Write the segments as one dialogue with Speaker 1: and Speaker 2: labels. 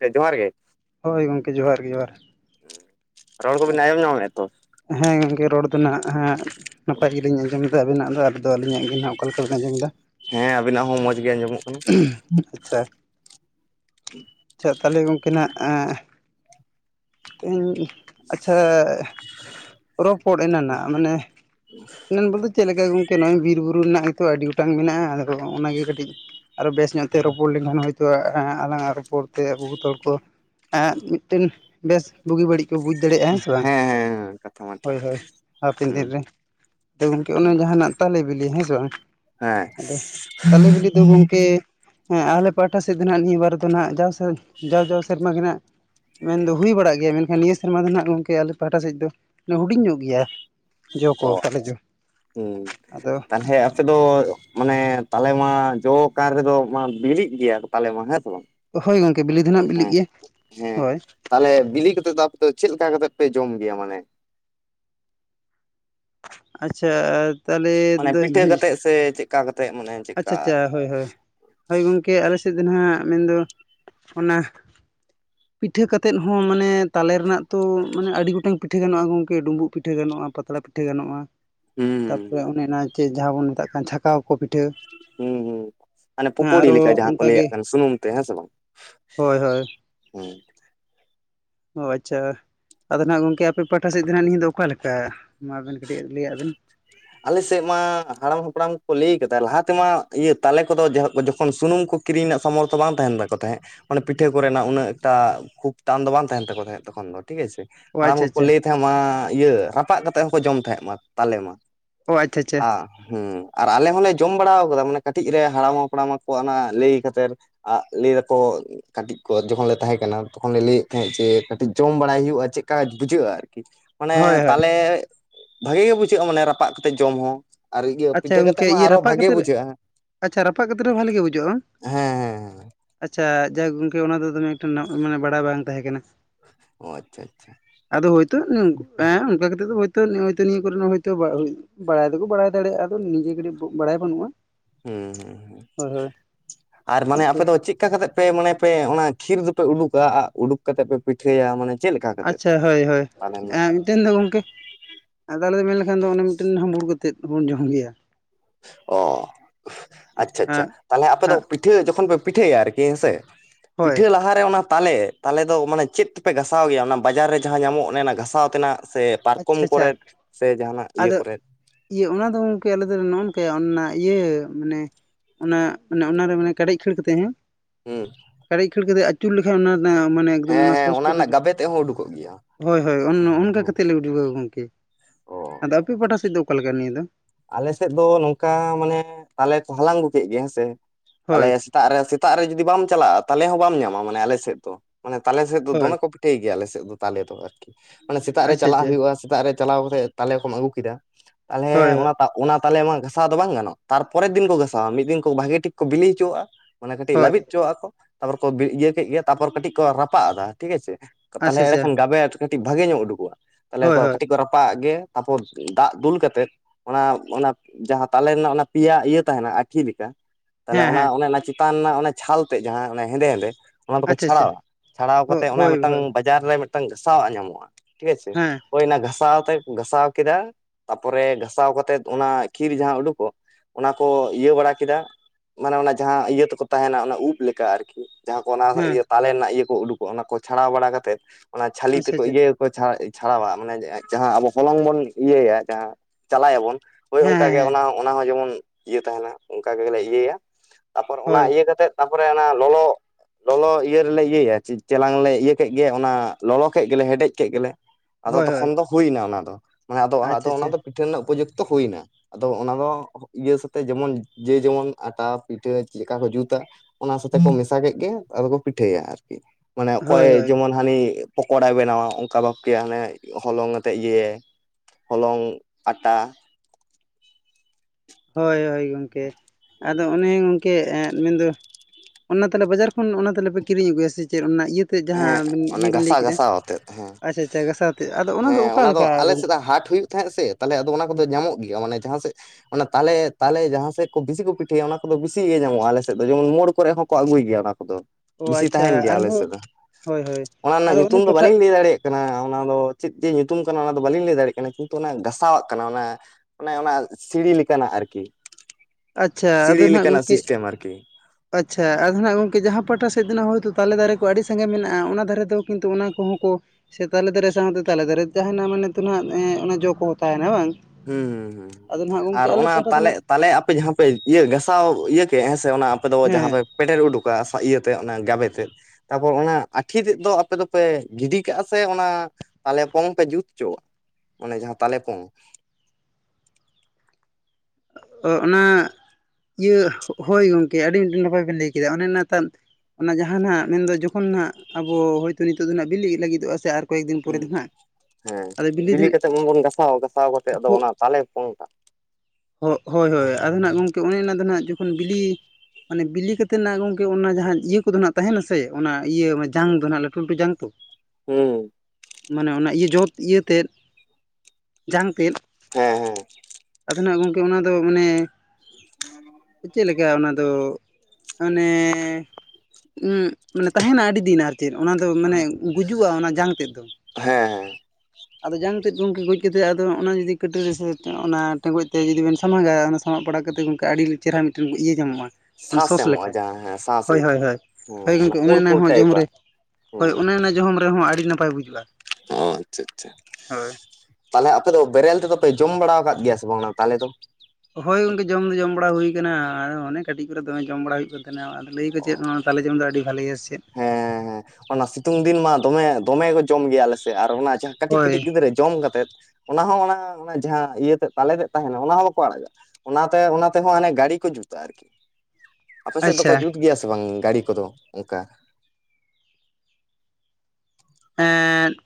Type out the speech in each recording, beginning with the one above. Speaker 1: ᱛᱮ ᱡᱚᱦᱟᱨ ᱜᱮ᱾
Speaker 2: ᱦᱳᱭ ᱜᱚᱝᱠᱮ ᱡᱚᱦᱟᱨ ᱜᱮ, ᱡᱚᱦᱟᱨ᱾
Speaker 1: ᱨᱚᱲ ᱠᱚᱵᱮᱱ
Speaker 2: ᱟᱪᱪᱷᱟ
Speaker 1: ᱟᱸᱧᱡᱚᱢ ᱧᱟᱢᱮᱜᱼᱟ ᱛᱚ᱾
Speaker 2: ᱦᱮᱸ ᱜᱚᱝᱠᱮ ᱨᱚᱲ ᱫᱚ ᱱᱟᱦᱟᱜ ᱦᱮᱸ ᱱᱟᱯᱟᱭ ᱜᱮᱞᱤᱧ ᱟᱸᱡᱚᱢ᱾ ᱜᱮ ᱟᱵᱮᱱᱟᱜ ᱜᱮ ᱟᱨ ᱫᱚ ᱟᱹᱞᱤᱧᱟᱜ ᱜᱮ ᱱᱟᱦᱟᱜ ᱚᱠᱟ ᱞᱮᱠᱟ ᱵᱮᱱ ᱟᱸᱡᱚᱢ ᱫᱟ?
Speaker 1: ᱦᱮᱸ ᱟᱵᱤᱱᱟᱜ ᱦᱚᱸ ᱢᱚᱸᱡᱽ ᱜᱮ ᱟᱸᱡᱚᱢᱚᱜ ᱠᱟᱱᱟ᱾
Speaker 2: ᱟᱪᱪᱷᱟ ᱟᱪᱪᱷᱟ ᱛᱟᱦᱚᱞᱮ ᱜᱚᱝᱠᱮ ᱱᱟᱦᱟᱜ ᱮᱸ ᱩᱱ ᱟᱪᱪᱷᱟ ᱨᱚᱯᱚᱲ ᱮᱱᱟᱱᱟᱜ ᱢᱟᱱᱮ ᱮᱱᱟᱱ ᱵᱚᱞᱛᱮ ᱪᱮᱫ ᱞᱮᱠᱟ? ᱠᱮ ᱱᱚᱜᱼᱚᱭ ᱵᱤᱨᱼᱵᱩᱨᱩ ᱨᱮᱱᱟᱜ ᱜᱮᱛᱚ ᱟᱹᱰᱤ ᱜᱚᱴᱟᱝ ᱢᱮᱱᱟᱜᱼᱟ ᱟᱫᱚ ᱚᱱᱟᱜᱮ ᱠᱟᱹᱴᱤᱡ ᱟᱨᱚ ᱵᱮᱥ ᱧᱚᱜ ᱛᱮ ᱨᱚᱯᱚᱲ ᱞᱮᱱᱠᱷᱟᱱ ᱦᱳᱭ ᱛᱚ ᱮᱸ ᱟᱞᱟᱝᱼᱟ ᱟᱞᱟᱝᱼᱟ ᱨᱚᱯᱚᱲ ᱛᱮ ᱵᱩᱦᱩᱛ ᱦᱚᱲ ᱠᱚ ᱮᱸ ᱢᱤᱫᱴᱮᱱ ᱵᱮᱥ ᱵᱩᱜᱤ ᱵᱟᱹᱲᱤᱡ ᱠᱩ ᱵᱩᱡᱽ ᱫᱟᱲᱮᱭᱟᱜᱼᱟ ᱦᱮᱸ ᱥᱮ ᱵᱟᱝ?
Speaker 1: ᱦᱮᱸ ᱠᱟᱛᱷᱟ ᱢᱟ ᱴᱷᱤᱠ
Speaker 2: ᱦᱳᱭ ᱦᱳᱭ᱾ ᱦᱟᱯᱮᱱ ᱫᱤᱱ
Speaker 1: ᱦᱮᱸ
Speaker 2: ᱨᱮ ᱟᱫᱚ ᱜᱚᱝᱠᱮ ᱚᱱᱮ ᱡᱟᱦᱟᱱᱟᱜ ᱛᱟᱞᱮ ᱵᱤᱞᱤ ᱦᱮᱸ ᱥᱮ ᱵᱟᱝ?
Speaker 1: ᱦᱮᱸ
Speaker 2: ᱟᱫᱚ ᱛᱟᱞᱮ ᱵᱤᱞᱤ ᱫᱚ ᱜᱚᱝᱠᱮ ᱦᱮᱸ ᱟᱞᱮ ᱯᱟᱦᱟᱴᱟ ᱥᱮᱡ ᱫᱚ ᱱᱟᱦᱟᱜ ᱱᱤᱭᱟᱹ ᱵᱟᱨ ᱫᱚ ᱱᱟᱦᱟᱜ ᱡᱟᱣ ᱥᱮᱨ ᱡᱟᱣ ᱡᱟᱣ ᱥᱮᱨᱢᱟ ᱜᱮ ᱱᱟᱦᱟᱜ ᱢᱮᱱᱫᱚ ᱦᱩᱭ ᱵᱟᱲᱟᱜ ᱜᱮᱭᱟ ᱢᱮᱱᱠᱷᱟᱱ ᱱᱤᱭᱟᱹ ᱥᱮᱨᱢᱟ ᱫᱚ ᱱᱟᱦᱟᱜ ᱜᱚᱝᱠᱮ ᱟᱞᱮ ᱯᱟᱦᱟᱴᱟ ᱥᱮᱡ ᱫᱚ ᱦᱩᱰᱤᱧ ᱧᱚᱜ ᱜᱮᱭᱟ᱾ ᱡᱚ ᱠᱚ
Speaker 1: ᱚ
Speaker 2: ᱛᱟᱞᱮ ᱡᱚ, ᱟᱫᱚ
Speaker 1: ᱪᱮ ᱫᱚ ᱢᱟᱱᱮ ᱛᱟᱞᱮ ᱢᱟ ᱡᱚ ᱟᱠᱟᱱ ᱨᱮᱫᱚ ᱢᱟ ᱵᱤᱞᱤᱜ ᱜᱮᱭᱟ ᱛᱟᱞᱮ ᱢᱟ ᱦᱮᱸ ᱥᱮ ᱵᱟᱝ?
Speaker 2: ᱦᱳᱭ ᱜᱚᱝᱠᱮ ᱵᱤᱞᱤ᱾ ᱫᱚ
Speaker 1: ᱦᱮᱸ
Speaker 2: ᱱᱟᱜ ᱵᱤᱞᱤᱜ
Speaker 1: ᱦᱮᱸ
Speaker 2: ᱜᱮᱭᱟ
Speaker 1: ᱦᱮᱸ
Speaker 2: ᱦᱳᱭ
Speaker 1: ᱛᱟᱦᱚᱞᱮ ᱵᱤᱞᱤ ᱠᱟᱛᱮᱜ ᱫᱚ ᱟᱯᱮ ᱫᱚ ᱪᱮᱫ ᱞᱮᱠᱟ ᱠᱟᱛᱮᱜ ᱯᱮ ᱡᱚᱢ ᱜᱮᱭᱟ? ᱢᱟᱱᱮ
Speaker 2: ᱟᱪᱪᱷᱟ ᱟ
Speaker 1: ᱚᱱᱟ ᱯᱤᱴᱷᱟᱹ ᱠᱟᱛᱮᱜ ᱥᱮ ᱪᱮᱜᱠᱟ ᱠᱟᱛᱮᱜ? ᱢᱟᱱᱮ ᱪᱮᱫᱠᱟ
Speaker 2: ᱟᱪᱪᱷᱟ ᱪᱟ ᱦᱳᱭ ᱦᱳᱭ ᱦᱳᱭ ᱜᱚᱝᱠᱮ ᱟᱞᱮ ᱥᱮᱫ ᱫᱚ ᱱᱟᱦᱟᱸᱜ ᱢᱮᱱᱫᱚ ᱚᱱᱟ [inaudible] ᱯᱤᱴᱷᱟᱹ ᱠᱟᱛᱮᱫ ᱦᱚᱸ ᱢᱟᱱᱮ ᱛᱟᱞᱮ ᱨᱮᱱᱟᱜ ᱛᱚ ᱢᱟᱱᱮ ᱟᱹᱰᱤ ᱜᱚᱴᱟᱝ ᱯᱤᱴᱷᱟᱹ ᱜᱟᱱᱚᱜᱼᱟ ᱜᱚᱝᱠᱮ ᱰᱩᱸᱵᱩᱜ ᱯᱤᱴᱷᱟᱹ ᱜᱟᱱᱚᱜᱼᱟ ᱯᱟᱛᱲᱟ ᱯᱤ ᱴᱷᱟᱹ ᱜᱟᱱᱚᱜᱼᱟ
Speaker 1: ᱦᱩᱸ
Speaker 2: ᱛᱟᱯᱚᱨᱮ ᱚᱱᱮ ᱚᱱᱟ ᱪᱮᱜ ᱡᱟᱦᱟᱸ ᱵᱚᱱ ᱢᱮᱛᱟᱜ ᱠᱟᱱ ᱪᱷᱟᱠᱟᱣ ᱠᱚ ᱯᱤᱴᱷᱟᱹ᱾
Speaker 1: ᱦᱩᱸ ᱦᱩᱸ᱾ ᱢᱟᱱᱮ
Speaker 2: ᱦᱮᱸ
Speaker 1: ᱯᱳᱠᱚᱳᱲᱤ
Speaker 2: ᱟᱨᱚ
Speaker 1: ᱞᱮᱠᱟ ᱡᱟᱦᱟᱸ ᱠᱚ
Speaker 2: ᱚᱱᱠᱟᱜᱮ
Speaker 1: ᱞᱟᱹᱭᱟᱜ ᱠᱟᱱ ᱥᱩᱱᱩᱢ ᱛᱮ ᱦᱮᱸ ᱥᱮ ᱵᱟᱝ?
Speaker 2: ᱦᱳᱭ ᱦᱳᱭ
Speaker 1: ᱦᱩᱸ᱾
Speaker 2: ᱚ ᱟᱪᱪᱷᱟ᱾ ᱟᱫᱚ ᱱᱟᱦᱟᱜ ᱜᱚᱝᱠᱮ ᱟᱯᱮ ᱯᱟᱦᱟᱴᱟ ᱥᱮᱡ ᱫᱚ ᱱᱟᱦᱟᱜ ᱱᱤᱭᱟᱹ ᱫᱚ ᱚᱠᱟ ᱞᱮᱠᱟ ᱢᱟ ᱟᱵᱮᱱ ᱠᱟᱹᱴᱤᱡ ᱞᱟᱹᱭᱟᱜ ᱵᱮᱱ᱾
Speaker 1: ᱟᱞᱮᱥᱮᱫ ᱢᱟ ᱦᱟᱲᱟᱢ ᱦᱟᱯᱲᱟᱢ ᱠᱚᱠᱚ ᱞᱟᱹᱭ ᱠᱟᱫᱟ ᱞᱟᱦᱟ ᱛᱮᱢᱟ ᱤᱭᱟᱹ ᱛᱟᱞᱮ ᱠᱚᱫᱚ ᱡᱚᱠᱷᱚᱱ ᱥᱩᱱᱩᱢ ᱠᱚ ᱠᱤᱨᱤᱧ ᱨᱮᱱᱟᱜ ᱥᱟᱢᱚᱨᱛᱷᱚ ᱵᱟᱝ ᱛᱟᱦᱮᱱ ᱛᱟᱠᱚ ᱛᱟᱦᱮᱸᱫ ᱢᱟᱱᱮ ᱯᱤᱴᱷᱟᱹ ᱠᱚ ᱨᱮᱱᱟᱜ ᱩᱱᱟᱹᱜ ᱴᱟ ᱠᱷᱩᱵ ᱴᱟᱱ ᱫᱚ ᱵᱟᱝ ᱛᱟᱦᱮᱱ ᱛᱟᱠᱚ ᱛᱟᱦᱮᱸᱫ ᱛᱚᱠᱷᱚᱱ ᱫᱚ ᱴᱷᱤᱠ ᱜᱤᱭᱟᱥᱮ
Speaker 2: ᱚ
Speaker 1: ᱦᱟᱲᱟᱢ
Speaker 2: ᱟᱪᱪᱷᱟ
Speaker 1: ᱠᱚᱠᱚ
Speaker 2: ᱟᱪᱪᱷᱟ
Speaker 1: ᱞᱟᱹᱭ ᱛᱟᱦᱮᱸᱫ ᱢᱟ, ᱤᱭᱟᱹ ᱨᱟᱯᱟᱜ ᱠᱟᱛᱮ ᱮᱫ ᱦᱚᱸᱠᱚ ᱡᱚᱢ ᱛᱟᱦᱮᱸᱫ ᱢᱟ ᱛᱟᱞᱮ ᱢᱟ᱾
Speaker 2: ᱚ ᱟᱪᱪᱷᱟ ᱟᱪᱪᱷᱟ᱾
Speaker 1: ᱟ ᱦᱩᱸ ᱟᱨ ᱟᱞᱮ ᱦᱚᱸᱞᱮ ᱡᱚᱢ ᱵᱟᱲᱟ ᱠᱟᱫᱟ᱾ ᱢᱟᱱᱮ ᱠᱟᱹᱴᱤᱡ ᱨᱮ ᱦᱟᱲᱟᱢ ᱦᱟᱯᱲᱟᱢ ᱠᱚᱣᱟ ᱚᱱᱮ ᱞᱟᱹᱭ ᱠᱟᱛᱮᱜ᱾ ᱟᱜ ᱞᱟᱹᱭ ᱟᱠᱚ ᱠᱟᱹᱴᱤᱡ ᱠᱚ ᱡᱚᱠᱷᱚᱱ ᱞᱮ ᱛᱟᱦᱮᱸ ᱠᱟᱱᱟ᱾ ᱛᱚᱠᱷᱚᱱ ᱞᱮ ᱞᱟᱹᱭ ᱮᱫ ᱛᱟᱦᱮᱸ ᱡᱮ ᱠᱟᱹᱴᱤᱡ ᱡᱚᱢ ᱵᱟᱲᱟᱭ ᱦᱳᱭᱳᱜᱼᱟ᱾ ᱪᱮᱫ ᱠᱟ ᱵᱩᱡᱷᱟᱹᱜᱼᱟ᱾ ᱠᱤ, ᱢᱟᱱᱮ
Speaker 2: ᱦᱳᱭ ᱦᱳᱭ
Speaker 1: ᱛᱟᱞᱮ ᱵᱷᱟᱜᱮ ᱜᱮ ᱵᱩᱡᱷᱟᱹᱜᱼᱟ ᱢᱟᱱᱮ ᱨᱟᱯᱟᱜ ᱠᱟᱛᱮᱜ ᱡᱚᱢ ᱦᱚᱸ᱾ ᱟᱨ ᱤᱭᱟᱹ ᱯᱤᱴᱷᱟᱹ
Speaker 2: ᱟᱪᱪᱷᱟ
Speaker 1: ᱠᱟᱛᱮ
Speaker 2: ᱜᱚᱝᱠᱮ
Speaker 1: ᱮᱫ ᱢᱟ
Speaker 2: ᱤᱭᱟᱹ
Speaker 1: ᱟᱨᱦᱚ
Speaker 2: ᱨᱟᱯᱟᱜ
Speaker 1: ᱵᱷᱟᱜᱮ
Speaker 2: ᱠᱟᱛᱮᱫ
Speaker 1: ᱵᱩᱡᱷᱟᱹᱜᱼᱟ᱾
Speaker 2: ᱟᱪᱪᱷᱟ, ᱨᱟᱯᱟᱜ ᱠᱟᱛᱮ ᱮᱫ ᱨᱮᱦᱚᱸ ᱵᱷᱟᱞᱮ ᱜᱮ ᱵᱩᱡᱩᱜᱼᱟ ᱵᱟᱝ?
Speaker 1: ᱦᱮᱸ ᱦᱮᱸ
Speaker 2: ᱟᱪᱪᱷᱟ ᱡᱟᱭᱦᱳ ᱜᱚᱝᱠᱮ, ᱚᱱᱟ ᱫᱚ ᱫᱚᱢᱮᱠ ᱢᱟᱱᱮ ᱵᱟᱲᱟᱭ ᱵᱟᱝ ᱛᱟᱦᱮᱸ ᱠᱟᱱᱟ᱾
Speaker 1: ᱚ ᱟᱪᱪᱷᱟ ᱟᱪᱪᱷᱟ
Speaker 2: ᱟᱫᱚ ᱦᱳᱭᱛᱳ ᱦᱮᱸ ᱚᱱᱠᱟ ᱠᱟᱛᱮ ᱜᱮ ᱦᱳᱭᱛᱳ ᱛᱚᱜᱛᱚ [inaudible] ᱱᱤᱭᱟᱹ ᱠᱚ ᱨᱮᱱᱟᱜ ᱦᱚᱭᱛᱚ ᱵᱟᱲᱟᱭ ᱫᱚᱠᱚ ᱵᱟᱲᱟᱭ ᱫᱟᱲᱮᱭᱟᱜᱼᱟ ᱾ᱱᱤᱡᱮ ᱠᱟᱹᱴᱤᱡ ᱵᱟᱲᱟᱭ ᱵᱟᱹᱱᱩᱜᱼᱟ᱾
Speaker 1: ᱦᱩᱸ ᱦᱩᱸ ᱦᱩᱸ
Speaker 2: ᱦᱳᱭ ᱦᱳᱭ
Speaker 1: ᱟᱨ ᱢᱟᱱᱮ
Speaker 2: ᱟᱪᱪᱷᱟ
Speaker 1: ᱟᱯᱮ ᱫᱚ ᱪᱮᱫ ᱪᱮᱫ ᱠᱟ ᱠᱟᱛᱮ ᱯᱮ ᱢᱟᱱᱮ ᱯᱮ ᱚᱱᱟ ᱠᱷᱤᱨ ᱫᱚᱯᱮ ᱩᱰᱩᱠᱟ᱾ ᱩᱰᱩᱠ ᱠᱟᱛᱮ ᱮᱫ ᱯᱮ ᱯᱤᱴᱷᱟᱹᱭᱟ, ᱢᱟᱱᱮ ᱪᱮᱫ ᱞᱮᱠᱟ ᱠᱟᱛᱮᱫ
Speaker 2: ᱟᱪᱪᱷᱟ, ᱦᱳᱭ ᱦᱳᱭ
Speaker 1: ᱛᱟᱦᱚᱞᱮ ᱨᱮᱱᱟᱜ
Speaker 2: ᱮᱸᱜ᱾ ᱢᱤᱫᱴᱮᱱ ᱫᱚ ᱜᱚᱝᱠᱮ, ᱟᱫᱚ ᱟᱞᱮ ᱢᱮᱱ ᱞᱮᱠᱷᱟᱱ ᱫᱚ ᱚᱱᱮ ᱢᱤᱫᱴᱮᱱ ᱦᱟᱺᱵᱩᱲ ᱠᱟᱛᱮᱫ ᱵᱚᱱ ᱡᱚᱢ ᱜᱮᱭᱟ᱾
Speaker 1: ᱚ ᱟᱪᱪᱷᱟ, ᱟᱪᱪᱷᱟ᱾ ᱛᱟᱦᱚᱞᱮ ᱟᱯᱮ ᱫᱚ ᱯᱤᱴᱷᱟᱹ, ᱡᱚᱠᱷᱚᱱ ᱯᱮ ᱯᱤᱴᱷᱟᱹᱭᱟ ᱟᱨ ᱠᱤ ᱦᱮᱸ ᱾
Speaker 2: ᱦᱳᱭ
Speaker 1: ᱯᱤᱴᱷᱟᱹ ᱞᱟᱦᱟ ᱞᱟᱦᱟᱨᱮ ᱚᱱᱟ ᱛᱟᱞᱮ, ᱛᱟᱞᱮ ᱫᱚ ᱢᱟᱱᱮ ᱪᱮᱫ ᱛᱮᱯᱮ ᱜᱷᱟᱟᱥᱟᱣ ᱜᱮᱭᱟ᱾ ᱚᱱᱟ ᱵᱟᱡᱟᱨ ᱨᱮ ᱡᱟᱦᱟᱸ ᱧᱟᱢᱚᱜ ᱚᱱᱮ ᱚᱱᱟ ᱜᱷᱟᱟᱥᱟᱣ ᱛᱮᱱᱟᱜ ᱥᱮ ᱯᱟᱨᱠᱚᱢ
Speaker 2: ᱟᱪᱪᱷᱟ ᱟᱪᱪᱷᱟ
Speaker 1: ᱠᱚᱨᱮᱫ ᱥᱮ ᱡᱟᱦᱟᱱᱟᱜ ᱤᱭᱟᱹ
Speaker 2: ᱟᱫᱚ
Speaker 1: ᱠᱚᱨᱮᱫ᱾
Speaker 2: ᱤᱭᱟᱹ ᱚᱱᱟ ᱫᱚ ᱜᱚᱝᱠᱮ ᱟᱞᱮ ᱫᱚᱞᱮ ᱱᱚᱜᱼᱚᱭ ᱱᱚᱝᱠᱟᱭᱼᱟ, ᱤᱭᱟᱹ ᱢᱟᱱᱮ ᱚᱱᱟ, ᱚᱱᱟ ᱨᱮ ᱢᱟᱱᱮ ᱠᱟᱰᱮᱡ ᱠᱷᱟᱹᱲ ᱠᱟᱛᱮ ᱦᱮᱸ,
Speaker 1: ᱦᱩᱸ
Speaker 2: ᱠᱟᱰᱮᱡ ᱠᱷᱟᱹᱲ ᱠᱟᱛᱮ ᱟᱹᱪᱩᱨ ᱞᱮᱠᱷᱟᱡ ᱚᱱᱟ ᱨᱮᱱᱟᱜ ᱢᱟᱱᱮ ᱮ
Speaker 1: ᱦᱮᱸ
Speaker 2: ᱚᱱᱟ
Speaker 1: ᱦᱮᱸ ᱨᱮᱱᱟᱜ
Speaker 2: ᱥᱚᱝᱠ
Speaker 1: ᱜᱟᱵᱮ ᱛᱮᱫ ᱦᱚᱸ ᱩᱰᱩᱠᱚᱜ ᱜᱮᱭᱟ
Speaker 2: [unintelligible] ᱦᱳᱭ ᱦᱳᱭ ᱚᱱᱠᱟ
Speaker 1: ᱦᱩᱸ
Speaker 2: ᱠᱷᱟᱹᱛᱤᱨ ᱩᱵᱷᱟᱣᱟᱹ ᱜᱚᱝᱠᱮ,
Speaker 1: ᱚ
Speaker 2: ᱟᱫᱚ ᱟᱯᱮ ᱯᱟᱦᱴᱟ ᱥᱮᱫ ᱫᱚ ᱚᱠᱟ ᱞᱮᱠᱟ ᱱᱤᱭᱟᱹ ᱫᱚ
Speaker 1: ᱟᱞᱮ ᱥᱮᱫ ᱫᱚ ᱱᱚᱝᱠᱟ ᱢᱟᱱᱮ ᱛᱟᱞᱮ ᱠᱚ ᱦᱟᱞᱟᱝ ᱟᱹᱜᱩ ᱠᱮᱫ ᱜᱮ ᱦᱮᱸ ᱥᱮ᱾ ᱛᱟᱞᱮ
Speaker 2: ᱦᱳᱭ
Speaker 1: ᱥᱮᱛᱟᱜ ᱨᱮ, ᱥᱮᱛᱟᱜ ᱨᱮ ᱡᱩᱫᱤ ᱵᱟᱢ ᱪᱟᱞᱟᱜᱼᱟ ᱛᱟᱞᱮ ᱦᱚᱸ ᱵᱟᱢ ᱧᱟᱢᱟ᱾ ᱢᱟᱱᱮ ᱟᱞᱮ ᱥᱮᱫ ᱫᱚ, ᱢᱟᱱᱮ ᱟᱞᱮ ᱥᱮᱫ
Speaker 2: ᱦᱳᱭ
Speaker 1: ᱫᱚᱢᱮ ᱠᱚ ᱴᱷᱤᱠ ᱜᱮᱭᱟ ᱟᱞᱮ ᱥᱮᱫ ᱫᱚ ᱛᱟᱞᱮ ᱫᱚ ᱟᱨ ᱠᱤ ᱾ ᱢᱟᱱᱮ ᱥᱮᱛᱟᱜ ᱨᱮ
Speaker 2: ᱟᱪᱪᱷᱟ
Speaker 1: ᱪᱟᱞᱟᱜ
Speaker 2: ᱟᱪᱪᱷᱟ
Speaker 1: ᱦᱳᱭᱳᱜᱼᱟ᱾ ᱥᱮᱛᱟᱜ ᱨᱮ ᱪᱟᱞᱟᱣ ᱠᱟᱛᱮ ᱛᱟᱞᱮ ᱠᱚᱢ ᱟᱹᱜᱩ ᱠᱮᱫᱟ᱾
Speaker 2: ᱦᱳᱭ
Speaker 1: ᱛᱟᱞᱦᱮ ᱚᱱᱟ ᱛᱟᱜ ᱚᱱᱟ ᱛᱟᱞᱮ ᱢᱟ ᱜᱷᱟᱥᱟᱣ ᱫᱚ ᱵᱟᱝ ᱜᱟᱱᱚᱜ᱾ ᱛᱟᱨᱯᱚᱨᱮᱨ ᱫᱤᱱ ᱠᱚ ᱜᱷᱟᱥᱟᱣᱟ ᱢᱤᱫ ᱫᱤᱱ ᱠᱚ ᱵᱷᱟᱜᱮ ᱴᱷᱤᱠ ᱠᱚ ᱵᱤᱞᱤ ᱦᱚᱪᱚᱣᱟᱜᱼᱟ᱾ ᱢᱟᱱᱮ ᱠᱟᱹᱴᱤᱡ
Speaker 2: ᱦᱳᱭ
Speaker 1: ᱞᱟᱹᱵᱤᱫ ᱦᱚᱪᱚᱣᱟᱜᱼᱟ ᱠᱚ ᱾ᱛᱟᱨᱯᱚᱨ ᱠᱚ ᱤᱭᱟᱹ ᱠᱮᱫ ᱜᱮ, ᱛᱟᱨᱯᱚᱨ ᱠᱟᱹᱴᱤᱡ ᱠᱚ ᱨᱟᱯᱟᱜ ᱟᱫᱟ ᱴᱷᱤᱠ ᱟᱪᱷᱮ᱾ ᱛᱟᱦᱚᱞᱮ
Speaker 2: ᱟᱪᱪᱷᱟ
Speaker 1: ᱮᱲᱮ
Speaker 2: ᱟᱪᱪᱷᱟ
Speaker 1: ᱠᱷᱟᱱ ᱜᱟᱵᱮ ᱠᱟᱹᱴᱤᱡ ᱵᱷᱟᱜᱮ ᱧᱚᱜ ᱩᱰᱩᱠᱚᱜᱼᱟ᱾ ᱛᱟᱦᱚᱞᱮ
Speaker 2: ᱦᱳᱭ
Speaker 1: ᱠᱷᱚᱡ
Speaker 2: ᱦᱳᱭ
Speaker 1: ᱨᱟᱯᱟᱜᱼᱟᱜ ᱜᱮ ᱛᱟᱯᱚᱨ ᱫᱟᱜ ᱫᱩᱞ ᱠᱟᱛᱮ ᱮᱫ᱾ ᱚᱱᱟ, ᱚᱱᱟ ᱡᱟᱦᱟᱸ ᱛᱟᱞᱮ ᱨᱮᱱᱟᱜ ᱚᱱᱟ ᱯᱮᱭᱟ ᱤᱭᱟᱹ ᱛᱟᱦᱮᱱᱟ ᱟᱹᱠᱷᱤ ᱞᱮᱠᱟ᱾ ᱛᱟᱦᱚᱞᱮ
Speaker 2: ᱦᱮᱸ ᱦᱮᱸ
Speaker 1: ᱚᱱᱟ, ᱚᱱᱮ ᱚᱱᱟ ᱪᱮᱛᱟᱱ ᱨᱮᱱᱟᱜ ᱚᱱᱟ ᱪᱷᱟᱞ ᱛᱮ ᱡᱟᱦᱟᱸ ᱚᱱᱮ ᱦᱮᱸᱫᱮ ᱦᱮᱸᱫᱮ ᱚᱱᱟ ᱫᱚᱠᱚ
Speaker 2: ᱟᱪᱪᱷᱟ ᱟᱪᱪᱷᱟ
Speaker 1: ᱪᱷᱟᱲᱟᱣᱼᱟ᱾ ᱪᱷᱟᱲᱟᱣ ᱠᱟᱛᱮ ᱚᱱᱮ
Speaker 2: ᱦᱳᱭ ᱦᱳᱭ
Speaker 1: ᱢᱮᱫᱴᱟᱝ ᱵᱟᱼᱼ ᱵᱟᱡᱟᱨ ᱨᱮ ᱢᱮᱫᱴᱟᱝ ᱜᱷᱟᱥᱟᱣᱟᱜ ᱧᱟᱢᱚᱜᱼᱟ᱾ ᱴᱷᱤᱠ ᱟᱪᱷᱮ
Speaker 2: ᱦᱮᱸ
Speaker 1: ᱦᱳᱭ ᱚᱱᱟ ᱜᱷᱟᱥᱪ ᱜᱷᱟᱥᱟᱣ ᱛᱮ ᱜᱷᱟᱥᱟᱣ ᱠᱮᱫᱟ᱾ ᱛᱟᱯᱚᱨᱮ ᱜᱷᱟᱥᱟᱣ ᱠᱟᱛᱮ ᱚᱱᱟ ᱠᱷᱤᱨ ᱡᱟᱦᱟᱸ ᱩᱰᱩᱠᱚᱜ᱾ ᱚᱱᱟ ᱠᱚ ᱤᱭᱟᱹ ᱵᱟᱲᱟ ᱠᱮᱫᱟ ᱾ ᱢᱟᱱᱮ ᱚᱱᱟ ᱡᱟᱦᱟᱸ ᱤᱭᱟᱹ ᱛᱮᱠᱚ ᱛᱟᱦᱮᱱᱟ ᱚᱱᱟ ᱩᱵ ᱞᱮᱠᱟ ᱟᱨ ᱠᱤ᱾ ᱡᱟᱦᱟᱸ ᱠᱚ ᱚᱱᱟ
Speaker 2: ᱦᱮᱸ
Speaker 1: ᱤᱭᱟᱹ ᱛᱟᱞᱮ ᱨᱮᱱᱟᱜ ᱤᱭᱟᱹ ᱠᱚ ᱩᱰᱩᱠᱚᱜᱼᱟ᱾ ᱚᱱᱟ ᱠᱚ ᱪᱷᱟᱲᱟᱣ ᱵᱟᱲᱟ ᱠᱟᱛᱮ ᱮᱫ, ᱚᱱᱟ ᱪᱷᱟᱹᱞᱤ
Speaker 2: ᱟᱪᱪᱷᱟ
Speaker 1: ᱛᱮᱠᱚ
Speaker 2: ᱟᱪᱪᱷᱟ
Speaker 1: ᱤᱭᱟᱹ ᱦᱚᱭ ᱪᱷᱟᱲᱟᱣᱼᱟ ᱢᱟᱱᱮ ᱡᱟᱦᱟᱸ ᱟᱵᱚ ᱦᱚᱞᱚᱝ ᱵᱚᱱ ᱤᱭᱟᱹᱭᱼᱟ ᱡᱟᱦᱟᱸ ᱪᱟᱞᱟᱭ ᱟᱵᱚᱱ ᱦᱳᱭ
Speaker 2: ᱦᱮᱸ
Speaker 1: ᱚᱱᱠᱟ
Speaker 2: ᱦᱮᱸ
Speaker 1: ᱜᱮ
Speaker 2: ᱦᱮᱸ
Speaker 1: ᱚᱱᱟ, ᱚᱱᱟ ᱦᱚᱸ ᱡᱮᱢᱚᱱ ᱤᱭᱟᱹ ᱛᱟᱦᱮᱱᱟ ᱾ ᱚᱱᱠᱟ ᱜᱮᱞᱮ ᱤᱭᱟᱹᱭᱟ ᱛᱟᱯᱚᱨ ᱚᱱᱟ
Speaker 2: ᱦᱳᱭ
Speaker 1: ᱤᱭᱟᱹ ᱠᱟᱛᱮ ᱮᱫ ᱛᱟᱯᱚᱨᱮ ᱚᱱᱟ ᱞᱚᱞᱚ ᱞᱚᱞᱚ ᱤᱭᱟᱹ ᱨᱮᱞᱮ ᱤᱭᱟᱹᱭᱼᱟ, ᱪᱮᱞᱟᱝ ᱞᱮ ᱤᱭᱟᱹ ᱠᱮᱜ ᱜᱮ ᱚᱱᱟ ᱞᱚᱞᱚ ᱠᱮᱜ ᱜᱮᱞᱮ, ᱦᱮᱰᱮᱡ ᱠᱮᱜ ᱜᱮᱞᱮ᱾ ᱟᱫᱚ
Speaker 2: ᱦᱳᱭ ᱦᱳᱭ
Speaker 1: ᱛᱚᱠᱷᱚᱱ ᱫᱚ ᱦᱩᱭ ᱱᱟ ᱚᱱᱟ ᱫᱚ ᱾ ᱢᱟᱱᱮ ᱟᱫᱚ ᱫᱚ
Speaker 2: ᱟᱪᱪᱷᱟ
Speaker 1: ᱚᱱᱟ
Speaker 2: ᱟᱪᱪᱷᱟ
Speaker 1: ᱯᱤᱴᱷᱟᱹ ᱨᱮᱱᱟᱜ ᱩᱯᱚᱡᱩᱠᱛᱚ ᱦᱩᱭ ᱱᱟ᱾ ᱟᱫᱚ ᱚᱱᱟ ᱦᱚ ᱤᱭᱟᱹ ᱥᱟᱛᱮ, ᱡᱮᱢᱚᱱ ᱡᱮ ᱡᱮᱢᱚᱱ ᱟᱴᱟ, ᱯᱤᱴᱷᱟᱹ ᱪᱮᱫ ᱞᱮᱠᱟ ᱠᱚ ᱡᱩᱛᱼᱟ᱾ ᱚᱱᱟ ᱥᱟᱛᱮ ᱠᱚ ᱢᱮᱥᱟ ᱠᱮᱜ ᱜᱮ ᱾ ᱟᱫᱚ ᱠᱚ ᱯᱤᱴᱷᱟᱹᱭᱟ ᱟᱨ ᱠᱤ᱾ ᱢᱟᱱᱮ ᱚᱠᱚᱭ
Speaker 2: ᱦᱳᱭ ᱦᱳᱭ
Speaker 1: ᱡᱮᱢᱚᱱ ᱦᱟᱱᱤ ᱯᱚᱠᱚᱲᱟᱭ ᱵᱮᱱᱟᱣᱟ᱾ ᱚᱱᱠᱟ ᱵᱷᱟᱵ ᱛᱮ ᱦᱟᱱᱮ ᱦᱚᱞᱚᱝ [unintelligible] ᱤᱭᱟᱹᱭᱟ, ᱦᱚᱞᱚᱝ ᱟᱴᱟ
Speaker 2: ᱦᱳᱭ, ᱦᱳᱭ ᱜᱚᱝᱠᱮ᱾ ᱟᱫᱚ ᱚᱱᱮ ᱜᱚᱝᱠᱮ ᱢᱮᱱᱫᱚ ᱚᱱᱟ ᱛᱟᱦᱞᱮ ᱵᱟᱡᱟᱨ ᱠᱷᱚᱱ ᱚᱱᱟ ᱛᱟᱦᱞᱮ ᱯᱮ ᱠᱤᱨᱤᱧ ᱟᱹᱜᱩᱭᱟ ᱥᱮ ᱪᱮᱫ ᱚᱱᱟ ᱤᱭᱟᱹ᱾ ᱛᱮᱫ
Speaker 1: ᱦᱮᱸ
Speaker 2: ᱡᱟᱦᱟᱸ
Speaker 1: ᱚᱱᱮ
Speaker 2: ᱤᱭᱟᱹ ᱵᱤᱱ ᱞᱟᱹᱭ
Speaker 1: ᱜᱷᱟᱥᱟᱣ
Speaker 2: ᱠᱮᱫᱟ,
Speaker 1: ᱜᱷᱟᱥᱟᱣ ᱟᱛᱮᱫ ᱦᱮᱸ
Speaker 2: ᱟᱪᱷᱟ ᱟᱪᱷᱟ ᱜᱟᱥᱟᱣᱛᱮ, ᱟᱫᱚ ᱚᱱᱟᱫᱚ
Speaker 1: ᱦᱮᱸ
Speaker 2: ᱚᱠᱟ
Speaker 1: ᱚᱱᱟ ᱫᱚ
Speaker 2: ᱞᱮᱠᱟ
Speaker 1: ᱟᱞᱮ
Speaker 2: ᱜᱚᱝᱼᱼ
Speaker 1: ᱥᱮᱫᱟᱜ ᱦᱟᱴ ᱦᱩᱭᱩᱜ ᱛᱟᱦᱮᱸᱜ ᱥᱮ ᱛᱟᱞᱦᱮ ᱟᱫᱚ ᱚᱱᱟ ᱠᱚᱫᱚ ᱧᱟᱢᱚᱜ ᱜᱮᱭᱟ ᱢᱟᱱᱮ ᱡᱟᱦᱟᱸ ᱥᱮᱫ ᱚᱱᱟ ᱛᱟᱞᱮ, ᱛᱟᱞᱮ ᱡᱟᱦᱟᱸ ᱥᱮᱫ ᱠᱚ ᱵᱮᱥᱤ ᱠᱚ ᱯᱤᱴᱷᱟᱹᱭᱟ ᱚᱱᱟ ᱠᱚᱫᱚ ᱵᱮᱥᱤ ᱜᱮ ᱧᱟᱢᱚᱜᱼᱟ ᱟᱞᱮ ᱥᱮᱫ ᱫᱚ ᱡᱮᱢᱚᱱ ᱢᱳᱲ ᱠᱚᱨᱮ ᱦᱚᱸ᱾ ᱠᱚ ᱟᱹᱜᱩᱭ ᱜᱮᱭᱟ ᱚᱱᱟ ᱠᱚᱫᱚ,
Speaker 2: ᱚ
Speaker 1: ᱵᱮᱥᱤ
Speaker 2: ᱟᱪᱪᱷᱟ
Speaker 1: ᱛᱟᱦᱮᱱ ᱜᱮᱭᱟ ᱟᱞᱮ
Speaker 2: ᱟᱨᱦᱚᱸ
Speaker 1: ᱥᱮᱫ ᱫᱚ,
Speaker 2: ᱦᱳᱭ ᱦᱳᱭ
Speaker 1: ᱚᱱᱟ ᱨᱮᱱᱟᱜ
Speaker 2: ᱟᱫᱚ
Speaker 1: ᱧᱩᱛᱩᱢ ᱫᱚ
Speaker 2: ᱴᱚᱴᱷᱟ
Speaker 1: ᱵᱟᱞᱤᱧ ᱞᱟᱹᱭ ᱫᱟᱲᱮᱭᱟᱜ ᱠᱟᱱᱟ ᱚᱱᱟ ᱫᱚ ᱪᱮᱫ ᱪᱮᱫ ᱧᱩᱛᱩᱢ ᱠᱟᱱᱟ ᱚᱱᱟ ᱫᱚ ᱵᱟᱹᱞᱤᱧ ᱞᱟᱹᱭ ᱫᱟᱲᱮᱭᱟᱜ ᱠᱟᱱᱟ ᱠᱤᱱᱛᱩ ᱚᱱᱟ ᱜᱟᱥᱟᱣᱟᱜ ᱠᱟᱱᱟ ᱚᱱᱟ᱾ ᱚᱱᱮ ᱚᱱᱟ ᱥᱤᱲᱤ ᱞᱮᱠᱟᱱᱟᱜ ᱟᱨᱠᱤ,
Speaker 2: ᱟᱪᱪᱷᱟ ᱟᱫᱚ
Speaker 1: ᱥᱤᱲᱤ
Speaker 2: ᱱᱟᱜ
Speaker 1: ᱞᱮᱠᱟᱱᱟᱜ
Speaker 2: ᱜᱚᱝᱠᱮ
Speaker 1: ᱥᱤᱥᱴᱮᱢ ᱟᱨᱠᱤ᱾
Speaker 2: ᱟᱪᱪᱷᱟ, ᱟᱫᱚ ᱱᱟᱦᱟᱸᱜ ᱜᱚᱢᱠᱮ ᱡᱟᱦᱟᱸ ᱯᱟᱦᱴᱟ ᱥᱮᱫ ᱫᱚ ᱱᱟᱜ ᱦᱳᱭᱛᱳ ᱛᱟᱞᱮ ᱫᱟᱨᱮ ᱠᱚ ᱟᱹᱰᱤ ᱥᱟᱸᱜᱮ ᱢᱮᱱᱟᱜᱼᱟ ᱚᱱᱟ ᱫᱷᱟᱨᱮ ᱫᱚ ᱠᱤᱱᱛᱩ ᱚᱱᱟ ᱠᱚᱦᱚᱸ ᱠᱚ ᱥᱮ ᱛᱟᱞᱮ ᱫᱟᱨᱮ ᱥᱟᱶᱛᱮ ᱛᱟᱞᱮ ᱫᱟᱨᱮ ᱡᱟᱦᱱᱟᱜ ᱢᱟᱱᱮ ᱛᱚ ᱱᱟᱦᱟᱜ ᱚᱱᱟ ᱡᱚ ᱠᱚᱦᱚᱸ ᱛᱟᱦᱮᱱᱟ ᱵᱟᱝ?
Speaker 1: ᱦᱩᱸ ᱦᱩᱸ ᱦᱩᱸ
Speaker 2: ᱟᱫᱚ ᱱᱟᱜ
Speaker 1: ᱟᱨ
Speaker 2: ᱜᱚᱝᱠᱮ ᱟᱞᱮ
Speaker 1: ᱚᱱᱟ
Speaker 2: ᱯᱟᱦᱴᱟ ᱫᱚ
Speaker 1: ᱛᱟᱞᱮ
Speaker 2: ᱱᱟᱜ
Speaker 1: ᱛᱟᱞᱮ ᱟᱯᱮ ᱡᱟᱦᱟᱸ ᱯᱮ ᱤᱭᱟᱹ ᱜᱟᱥᱟᱣ ᱤᱭᱟᱹ ᱠᱮᱫ ᱦᱮᱸ ᱥᱮ ᱚᱱᱟ ᱟᱯᱮ ᱫᱚ ᱡᱟᱦᱟᱸ ᱯᱮ᱾
Speaker 2: ᱦᱮᱸ
Speaker 1: ᱯᱮᱴᱮᱨ ᱩᱰᱩᱠᱼᱟ ᱤᱭᱟᱹᱛᱮ ᱚᱱᱟ ᱜᱟᱵᱮ ᱛᱮᱫ ᱛᱟᱯᱚᱨ ᱚᱱᱟ ᱟᱴᱷᱤ ᱛᱮᱫ ᱫᱚ ᱟᱯᱮ ᱫᱚᱯᱮ ᱜᱤᱰᱤ ᱠᱟᱜᱼᱟ ᱥᱮ ᱚᱱᱟ ᱛᱟᱞᱮ ᱯᱚᱝ ᱯᱮ ᱡᱩᱛ ᱚᱪᱚᱣᱟᱜ ᱚᱱᱮ ᱡᱟᱦᱟᱸ ᱛᱟᱞᱮ ᱯᱚᱝ᱾
Speaker 2: ᱚ ᱚᱱᱟ ᱤᱭᱟᱹ, ᱦᱳᱭ ᱜᱚᱢᱠᱮ ᱟᱹᱰᱤ ᱢᱤᱫᱴᱮᱱ ᱱᱟᱯᱟᱭ ᱵᱮᱱ ᱞᱟᱹᱭ ᱠᱮᱫᱟ ᱚᱱᱮ ᱚᱱᱟ ᱛᱟᱱ ᱚᱱᱟ ᱡᱟᱦᱟᱸ ᱱᱟᱦᱟᱜ ᱢᱮᱱᱫᱚ ᱡᱚᱠᱷᱚᱱ ᱱᱟᱦᱟᱜ ᱟᱵᱚ ᱦᱳᱭᱛᱳ ᱱᱤᱛᱚᱜ ᱫᱚ ᱱᱟᱦᱟᱜ ᱵᱤᱞᱤᱜ ᱞᱟᱹᱜᱤᱫᱚᱜᱼᱟ ᱥᱮ ᱟᱨ ᱠᱚᱭᱮᱠ ᱫᱤᱱ ᱯᱚᱨᱮ
Speaker 1: ᱦᱩᱸ
Speaker 2: ᱫᱚ ᱱᱟᱦᱟᱜ
Speaker 1: ᱦᱮᱸ,
Speaker 2: ᱟᱫᱚ ᱫᱚ
Speaker 1: ᱵᱤᱞᱤ ᱠᱟᱛᱮ ᱢᱟᱵᱚᱱ ᱜᱟᱥᱟᱣᱟ, ᱜᱟᱥᱟᱣ ᱠᱟᱛᱮ ᱟᱫᱚ ᱚᱱᱟ ᱛᱟᱞᱮ ᱯᱚᱝ ᱴᱟᱜ᱾
Speaker 2: ᱦᱳᱭ ᱦᱳᱭ, ᱟᱫᱚ ᱱᱟᱜ ᱜᱚᱢᱠᱮ ᱚᱱᱮ ᱚᱱᱟ ᱫᱚ ᱱᱟᱜ ᱡᱚᱠᱷᱚᱱ ᱵᱤᱞᱤ ᱢᱟᱱᱮ ᱵᱤᱞᱤ ᱠᱟᱛᱮᱫ ᱱᱟᱜ ᱜᱚᱝᱠᱮ ᱚᱱᱟ ᱡᱟᱦᱟᱸ ᱤᱭᱟᱹ ᱠᱚᱫᱚ ᱱᱟᱜ ᱛᱟᱦᱮᱱᱟ ᱥᱮ ᱚᱱᱟ ᱤᱭᱟᱹ ᱢᱟᱱᱮ ᱡᱟᱝ ᱫᱚ ᱱᱟᱜ ᱞᱟᱹᱴᱩ ᱞᱟᱹᱴᱩ ᱡᱟᱝ᱾ [inaudible]
Speaker 1: ᱦᱩᱸ᱾
Speaker 2: ᱢᱟᱱᱮ ᱚᱱᱟ ᱤᱭᱟᱹ ᱡᱚ ᱤᱭᱟᱹ ᱛᱮᱫ ᱡᱟᱝ ᱛᱮᱫ᱾
Speaker 1: ᱦᱮᱸ ᱦᱮᱸ᱾
Speaker 2: ᱟᱫᱚ ᱱᱟᱦᱟᱜ ᱜᱚᱝᱠᱮ ᱚᱱᱟ ᱫᱚ ᱢᱟᱱᱮ ᱪᱮᱫ ᱞᱮᱠᱟ ᱚᱱᱟ ᱫᱚ? ᱟᱫᱚ ᱟᱱᱮᱻ [unintelligible] ᱢᱟᱱᱮ ᱛᱟᱦᱮᱱᱟ ᱟᱹᱰᱤ ᱫᱤᱱ ᱟᱨ ᱪᱮᱫ ᱚᱱᱟ ᱫᱚ ᱢᱟᱱᱮ ᱜᱩᱡᱩᱜᱼᱟ ᱚᱱᱟ ᱡᱟᱝ ᱛᱮᱫ ᱫᱚ᱾
Speaker 1: ᱦᱮᱸ ᱦᱮᱸ᱾
Speaker 2: ᱟᱫᱚ ᱡᱟᱝ ᱛᱮᱫ ᱜᱚᱢᱠᱮ ᱜᱚᱡ ᱠᱟᱛᱮᱫ ᱟᱫᱚ ᱚᱱᱟ ᱡᱩᱫᱤ ᱠᱟᱹᱴᱟᱹᱨᱤ ᱥᱮ ᱚᱱᱟ ᱴᱮᱸᱜᱚᱡ ᱛᱮ ᱡᱩᱫᱤ ᱵᱮᱱ ᱥᱟᱢᱟᱜᱟ᱾ ᱥᱟᱢᱟᱜ ᱵᱟᱲᱟ ᱠᱟᱛᱮᱫ ᱜᱚᱝᱠᱮ ᱟᱹᱰᱤ ᱪᱮᱦᱨᱟ ᱢᱤᱫᱴᱮᱱ ᱤᱭᱟᱹ ᱧᱟᱢᱚᱜᱼᱟ᱾ ᱢᱟᱱᱮ
Speaker 1: ᱥᱟᱸᱥ
Speaker 2: ᱥᱚᱥ
Speaker 1: ᱮᱢᱚᱜᱼᱟ
Speaker 2: ᱞᱮᱠᱟ,
Speaker 1: ᱡᱟᱦᱟᱸ ᱦᱮᱸ ᱥᱟᱸᱥ
Speaker 2: ᱦᱳᱭ
Speaker 1: ᱞᱮᱠᱟ
Speaker 2: ᱦᱳᱭ ᱦᱳᱭ,
Speaker 1: ᱦᱮᱸ
Speaker 2: ᱦᱳᱭ ᱜᱚᱢᱠᱮ ᱚᱱᱮ
Speaker 1: ᱯᱩᱸᱲ
Speaker 2: ᱚᱱᱟ
Speaker 1: ᱯᱩᱸᱲ
Speaker 2: ᱦᱚᱸ ᱡᱚᱢ ᱨᱮ
Speaker 1: ᱴᱟᱭᱤᱯᱟᱜ
Speaker 2: ᱦᱳᱭ
Speaker 1: ᱦᱮᱸ
Speaker 2: ᱚᱱᱮ ᱚᱱᱟ ᱡᱚᱢ ᱨᱮᱦᱚᱸ ᱟᱹᱰᱤ ᱱᱟᱯᱟᱭ ᱵᱩᱡᱩᱜᱼᱟ᱾
Speaker 1: ᱚ ᱟᱪᱪᱷᱟ ᱟᱪᱪᱷᱟ ᱾
Speaker 2: ᱦᱳᱭ᱾
Speaker 1: ᱛᱟᱦᱚᱞᱮ ᱟᱯᱮ ᱫᱚ ᱵᱮᱨᱮᱞ ᱛᱮᱫᱚ ᱯᱮ ᱡᱚᱢ ᱵᱟᱲᱟ ᱟᱠᱟᱫ ᱜᱮᱭᱟ ᱥᱮ ᱵᱟᱝ ᱚᱱᱟ ᱛᱟᱞᱮ ᱫᱚ?
Speaker 2: ᱦᱳᱭ ᱜᱚᱝᱠᱮ ᱡᱚᱢ ᱫᱚ ᱡᱚᱢ ᱵᱟᱲᱟ ᱦᱩᱭ ᱟᱠᱟᱱᱟ ᱟᱨ ᱚᱱᱮ ᱠᱟᱹᱴᱤᱡ ᱠᱚᱨᱮ ᱫᱚᱢᱮ ᱡᱚᱢ ᱵᱟᱲᱟ ᱦᱩᱭᱩᱜ ᱠᱟᱱ ᱛᱟᱦᱮᱱᱟ᱾ ᱞᱟᱹᱭ ᱟᱠᱚ ᱪᱮᱫ ᱚᱱᱟ ᱛᱟᱞᱮ ᱡᱚᱢ ᱫᱚ ᱟᱹᱰᱤ ᱵᱷᱟᱹᱞᱮᱭᱟ ᱥᱮ ᱪᱮᱫ?
Speaker 1: ᱦᱮᱸ ᱦᱮᱸ ᱦᱮᱸ, ᱚᱱᱟ ᱥᱤᱛᱩᱝ ᱫᱤᱱ ᱢᱟ ᱫᱚᱢᱮ ᱫᱚᱢᱮ ᱠᱚ ᱡᱚᱢ ᱜᱮᱭᱟ ᱟᱞᱮ ᱥᱮᱫ ᱟᱨ ᱚᱱᱟ ᱡᱟᱦᱟᱸ ᱠᱟᱹᱴᱤᱡ
Speaker 2: ᱦᱳᱭ
Speaker 1: ᱠᱟᱹᱴᱤᱡ ᱜᱤᱫᱽᱨᱟᱹ ᱡᱚᱢ ᱠᱟᱛᱮᱫ ᱚᱱᱟ ᱦᱚᱸ ᱚᱱᱟ ᱚᱱᱟ ᱡᱟᱦᱟᱸ ᱤᱭᱟᱹ ᱛᱮᱫ ᱛᱟᱞᱮ ᱛᱮᱫ ᱛᱟᱦᱮᱱᱟ ᱚᱱᱟ ᱦᱚᱸ ᱵᱟᱠᱚ ᱟᱲᱟᱜᱟ᱾ ᱚᱱᱟᱛᱮ ᱚᱱᱟ ᱛᱮᱦᱚᱸ ᱚᱱᱮ ᱜᱟᱲᱤ ᱠᱚ ᱡᱩᱛᱟ ᱟᱨᱠᱤ᱾ ᱟᱯᱮ ᱥᱮᱫ
Speaker 2: ᱟᱪᱪᱷᱟ
Speaker 1: ᱫᱚᱠᱚ ᱡᱩᱛ ᱜᱮᱭᱟ ᱥᱮ ᱵᱟᱝ ᱜᱟᱹᱲᱤ ᱠᱚᱫᱚ ᱚᱱᱠᱟ?
Speaker 2: ᱮᱸᱻᱫ᱾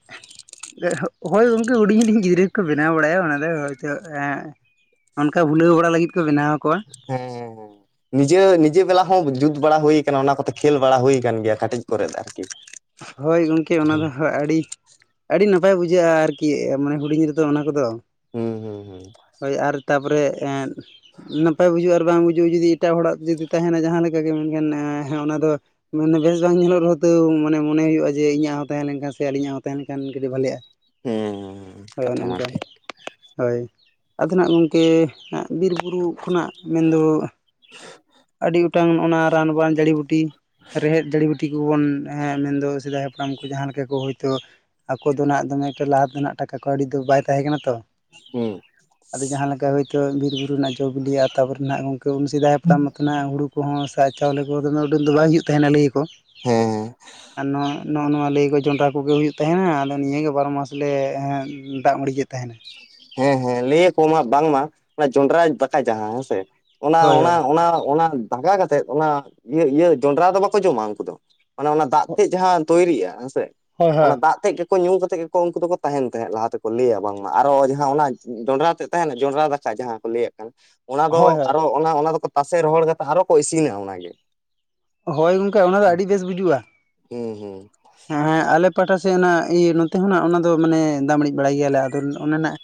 Speaker 2: ᱦᱳᱭ ᱜᱚᱝᱠᱮ ᱦᱩᱰᱤᱧ ᱦᱩᱰᱤᱧ ᱜᱤᱫᱽᱨᱟᱹ ᱜᱮᱠᱚ ᱵᱮᱱᱟᱣ ᱵᱟᱲᱟᱭᱟ ᱚᱱᱟ ᱫᱚ ᱦᱚᱭᱛᱚ ᱮᱸᱜ ᱾ ᱚᱱᱠᱟ ᱵᱷᱩᱞᱟᱹᱣ ᱵᱟᱲᱟ ᱞᱟᱹᱜᱤᱫ ᱠᱚ ᱵᱮᱱᱟᱣ ᱟᱠᱚᱣᱟ᱾
Speaker 1: ᱦᱮᱸ ᱦᱮᱸ ᱦᱮᱸ᱾ ᱱᱤᱡᱮ ᱱᱤᱡᱮ ᱵᱮᱞᱟ ᱦᱚᱸ ᱡᱩᱛ ᱵᱟᱲᱟ ᱦᱩᱭ ᱠᱟᱱᱟ ᱚᱱᱟ ᱠᱚᱛᱮ ᱠᱷᱮᱞ ᱵᱟᱲᱟ ᱦᱩᱭ ᱠᱟᱱ ᱜᱮᱭᱟ ᱠᱟᱹᱴᱤᱡ ᱠᱚᱨᱮ ᱫᱚ ᱟᱨᱠᱤ᱾
Speaker 2: ᱦᱳᱭ ᱜᱚᱢᱠᱮ ᱚᱱᱟ ᱫᱚ ᱦᱚ ᱟᱹᱰᱤ ᱟᱹᱰᱤ ᱱᱟᱯᱟᱭ ᱵᱩᱡᱷᱟᱹᱜᱼᱟ ᱟᱨᱠᱤ ᱢᱟᱱᱮ ᱦᱩᱰᱤᱧ ᱨᱮᱫᱚ ᱚᱱᱟ ᱠᱚᱫᱚ,
Speaker 1: ᱦᱩᱸ ᱦᱩᱸ ᱦᱩᱸ
Speaker 2: ᱦᱳᱭ ᱟᱨ ᱛᱟᱯᱚᱨᱮ ᱮᱸᱫ᱾ ᱱᱟᱯᱟᱭ ᱵᱩᱡᱩᱜ ᱟᱨ ᱵᱟᱝ ᱵᱩᱡᱩᱜ ᱡᱩᱫᱤ ᱮᱴᱟᱜ ᱦᱚᱲᱟᱜ ᱡᱩᱫᱤ ᱛᱟᱦᱮᱱᱟ ᱡᱟᱦᱟᱸ ᱞᱮᱠᱟ ᱜᱮ ᱢᱮᱱᱠᱷᱟᱱ ᱚᱱᱟ ᱫᱚ ᱢᱟᱱᱮ ᱵᱮᱥ ᱵᱟᱝ ᱧᱮᱞᱚᱜ ᱨᱮᱦᱚᱸ ᱛᱟᱹᱣ ᱢᱟᱼᱼ ᱢᱟᱱᱮ ᱢᱚᱱᱮ ᱦᱩᱭᱩᱜᱼᱟ ᱡᱮ ᱤᱧᱟᱹᱜ ᱦᱚᱸ ᱛᱟᱦᱮᱸ ᱞᱮᱱᱠᱷᱟᱱ ᱥᱮ ᱟᱹᱞᱤᱧᱟᱜ ᱦᱚᱸ ᱛᱟᱦᱮᱸ ᱞᱮᱱᱠᱷᱟᱱ ᱠᱟᱹᱴᱤᱡ ᱵᱷᱟᱹᱞᱤᱜᱼᱟ᱾
Speaker 1: ᱦᱩᱸ ᱦᱩᱸ
Speaker 2: ᱦᱳᱭ
Speaker 1: ᱠᱟᱛᱷᱟ
Speaker 2: ᱚᱱᱮ
Speaker 1: ᱢᱟ
Speaker 2: ᱟᱱᱠᱟ
Speaker 1: ᱴᱷᱤᱠ
Speaker 2: ᱦᱳᱭ ᱟᱫᱚ ᱱᱟᱜ ᱜᱚᱢᱠᱮ ᱵᱤᱨ ᱵᱩᱨᱩ ᱠᱷᱚᱱᱟᱜ ᱢᱮᱱᱫᱚ
Speaker 1: [unintelligible]
Speaker 2: ᱟᱹᱰᱤ ᱜᱚᱴᱟᱝ ᱱᱚᱜ-ᱚᱱᱟ ᱨᱟᱱᱵᱟᱱ ᱡᱟᱹᱲᱤ ᱵᱩᱴᱤ, ᱨᱮᱦᱮᱫ ᱡᱟᱹᱲᱤ ᱵᱟᱹᱴᱤ ᱠᱚᱵᱚᱱ ᱢᱮᱱᱫᱚ ᱥᱮᱫᱟᱭ ᱦᱟᱯᱲᱟᱢ ᱠᱚ ᱡᱟᱦᱟᱸ ᱞᱮᱠᱟ ᱠᱚ ᱦᱳᱭᱛᱳ᱾ ᱟᱠᱟ ᱫᱚ ᱱᱟᱜ ᱫᱚᱢᱮ ᱮᱠᱴᱟ ᱞᱟᱦᱟ ᱛᱮ ᱱᱟᱜ ᱴᱟᱠᱟ ᱠᱟᱹᱣᱰᱤ ᱫᱚ ᱵᱟᱭ ᱛᱟᱦᱮᱸ ᱠᱟᱱᱟ ᱛᱚ᱾
Speaker 1: ᱦᱩᱸ
Speaker 2: ᱟᱫᱚ ᱡᱟᱦᱟᱸ ᱞᱮᱠᱟ ᱦᱳᱭᱛᱳ ᱵᱤᱨᱼ ᱵᱩᱨᱩ ᱨᱮᱱᱟᱜ ᱡᱚᱼ ᱵᱤᱞᱤᱭᱟ ᱛᱟᱯᱚᱨᱮ ᱱᱟᱜ ᱜᱚᱢᱠᱮ ᱩᱱ ᱥᱮᱫᱟᱭ ᱦᱟᱯᱲᱟᱢ ᱚᱱᱟ ᱦᱩᱲᱩ ᱠᱚᱦᱚᱸ ᱥᱟ ᱪᱟᱣᱞᱮ ᱠᱚ ᱫᱚᱢᱮ ᱩᱰᱟᱹᱝ ᱫᱚ ᱵᱟᱝ ᱦᱩᱭᱩᱜ ᱛᱟᱦᱮᱱᱟ ᱞᱟᱹᱭᱟᱠᱚ᱾
Speaker 1: ᱦᱮᱸ ᱦᱮᱸ
Speaker 2: ᱟᱨ ᱱᱚ ᱱᱚᱜᱼᱚ ᱱᱚᱣᱟ ᱞᱟᱹᱭᱠᱚ ᱡᱚᱸᱰᱨᱟ ᱠᱚᱜᱮ ᱦᱩᱭᱩᱜ ᱛᱟᱦᱮᱱᱟ ᱟᱫᱚ ᱱᱤᱭᱟᱹᱜᱮ ᱵᱟᱨᱚ ᱢᱟᱥ ᱞᱮ ᱫᱟᱜ ᱢᱟᱲᱤᱡᱮᱫ ᱛᱟᱦᱮᱱᱟ᱾
Speaker 1: ᱦᱮᱸ ᱦᱮᱸ ᱞᱟᱹᱭ ᱟᱠᱚ ᱢᱟ ᱵᱟᱝᱢᱟ ᱚᱱᱟ ᱡᱚᱱᱰᱨᱟ ᱫᱟᱠᱟ ᱡᱟᱦᱟᱸ ᱦᱮᱸ ᱥᱮ
Speaker 2: ᱦᱳᱭ
Speaker 1: ᱚᱱᱟ ᱚᱱᱟ ᱚᱱᱟ ᱚᱱᱟ ᱫᱟᱜᱟ ᱠᱟᱛᱮᱫ ᱚᱱᱟ ᱤᱭᱟᱹ ᱤᱭᱟᱹ ᱡᱚᱱᱰᱨᱟ ᱫᱚ ᱵᱟᱠᱚ ᱡᱚᱢᱟ ᱩᱱᱠᱩ ᱫᱚ᱾ ᱢᱟᱱᱮ ᱚᱱᱟ ᱫᱟᱜ
Speaker 2: ᱦᱳᱭ
Speaker 1: ᱛᱮᱫ ᱡᱟᱦᱟᱸ ᱛᱚᱭᱨᱤᱜᱼᱟ ᱦᱮᱸᱥᱮ
Speaker 2: ᱦᱳᱭ
Speaker 1: ᱚᱱᱟ
Speaker 2: ᱦᱳᱭ
Speaker 1: ᱫᱟᱜ ᱛᱮᱫ ᱧᱩ ᱠᱟᱛᱮ ᱜᱮᱠᱚ ᱩᱱᱠᱩ ᱫᱚᱠᱚ ᱛᱟᱦᱮᱱ ᱛᱟᱦᱮᱸᱫ ᱞᱟᱦᱟ ᱛᱮᱠᱚ ᱞᱟᱹᱭᱟ ᱵᱟᱝᱢᱟ ᱟᱨᱚ ᱚᱱᱟ ᱡᱚᱸᱰᱨᱟ ᱛᱮᱫ ᱛᱟᱦᱮᱱᱟ ᱡᱚᱸᱰᱨᱟ ᱫᱟᱠᱟ ᱡᱟᱦᱟᱸ ᱠᱚ ᱞᱟᱹᱭᱟᱫ ᱠᱟᱱ ᱚᱱᱟ
Speaker 2: ᱦᱳᱭ
Speaker 1: ᱫᱚ
Speaker 2: ᱦᱳᱭ
Speaker 1: ᱟᱨᱚ ᱚᱱᱟ ᱚᱱᱟ ᱫᱚᱠᱚ ᱛᱟᱥᱮ ᱨᱚᱦᱚᱲ ᱠᱟᱛᱮ ᱟᱨᱚ ᱠᱚ ᱤᱥᱤᱱᱟ ᱚᱱᱟᱜᱮ᱾
Speaker 2: ᱦᱳᱭ ᱜᱚᱝᱠᱮ ᱚᱱᱟᱫᱚ ᱟᱹᱰᱤ ᱵᱮᱥ ᱵᱩᱡᱩᱜᱼᱟ᱾
Speaker 1: ᱦᱩᱸ ᱦᱩᱸ
Speaker 2: ᱦᱮᱸ ᱦᱮᱸ ᱟᱞᱮ ᱯᱟᱦᱴᱟ ᱥᱮᱫ ᱚᱱᱟ ᱤᱭᱟᱹ ᱱᱚᱛᱮ ᱦᱚᱸ ᱱᱟᱜ ᱚᱱᱟ ᱫᱚ ᱢᱟᱱᱮ ᱫᱟᱜ ᱢᱟᱹᱲᱤᱡ ᱵᱟᱲᱟᱭ ᱜᱮᱭᱟᱞᱮ ᱟ ᱟᱫᱚ ᱚᱱᱟ ᱱᱟᱜ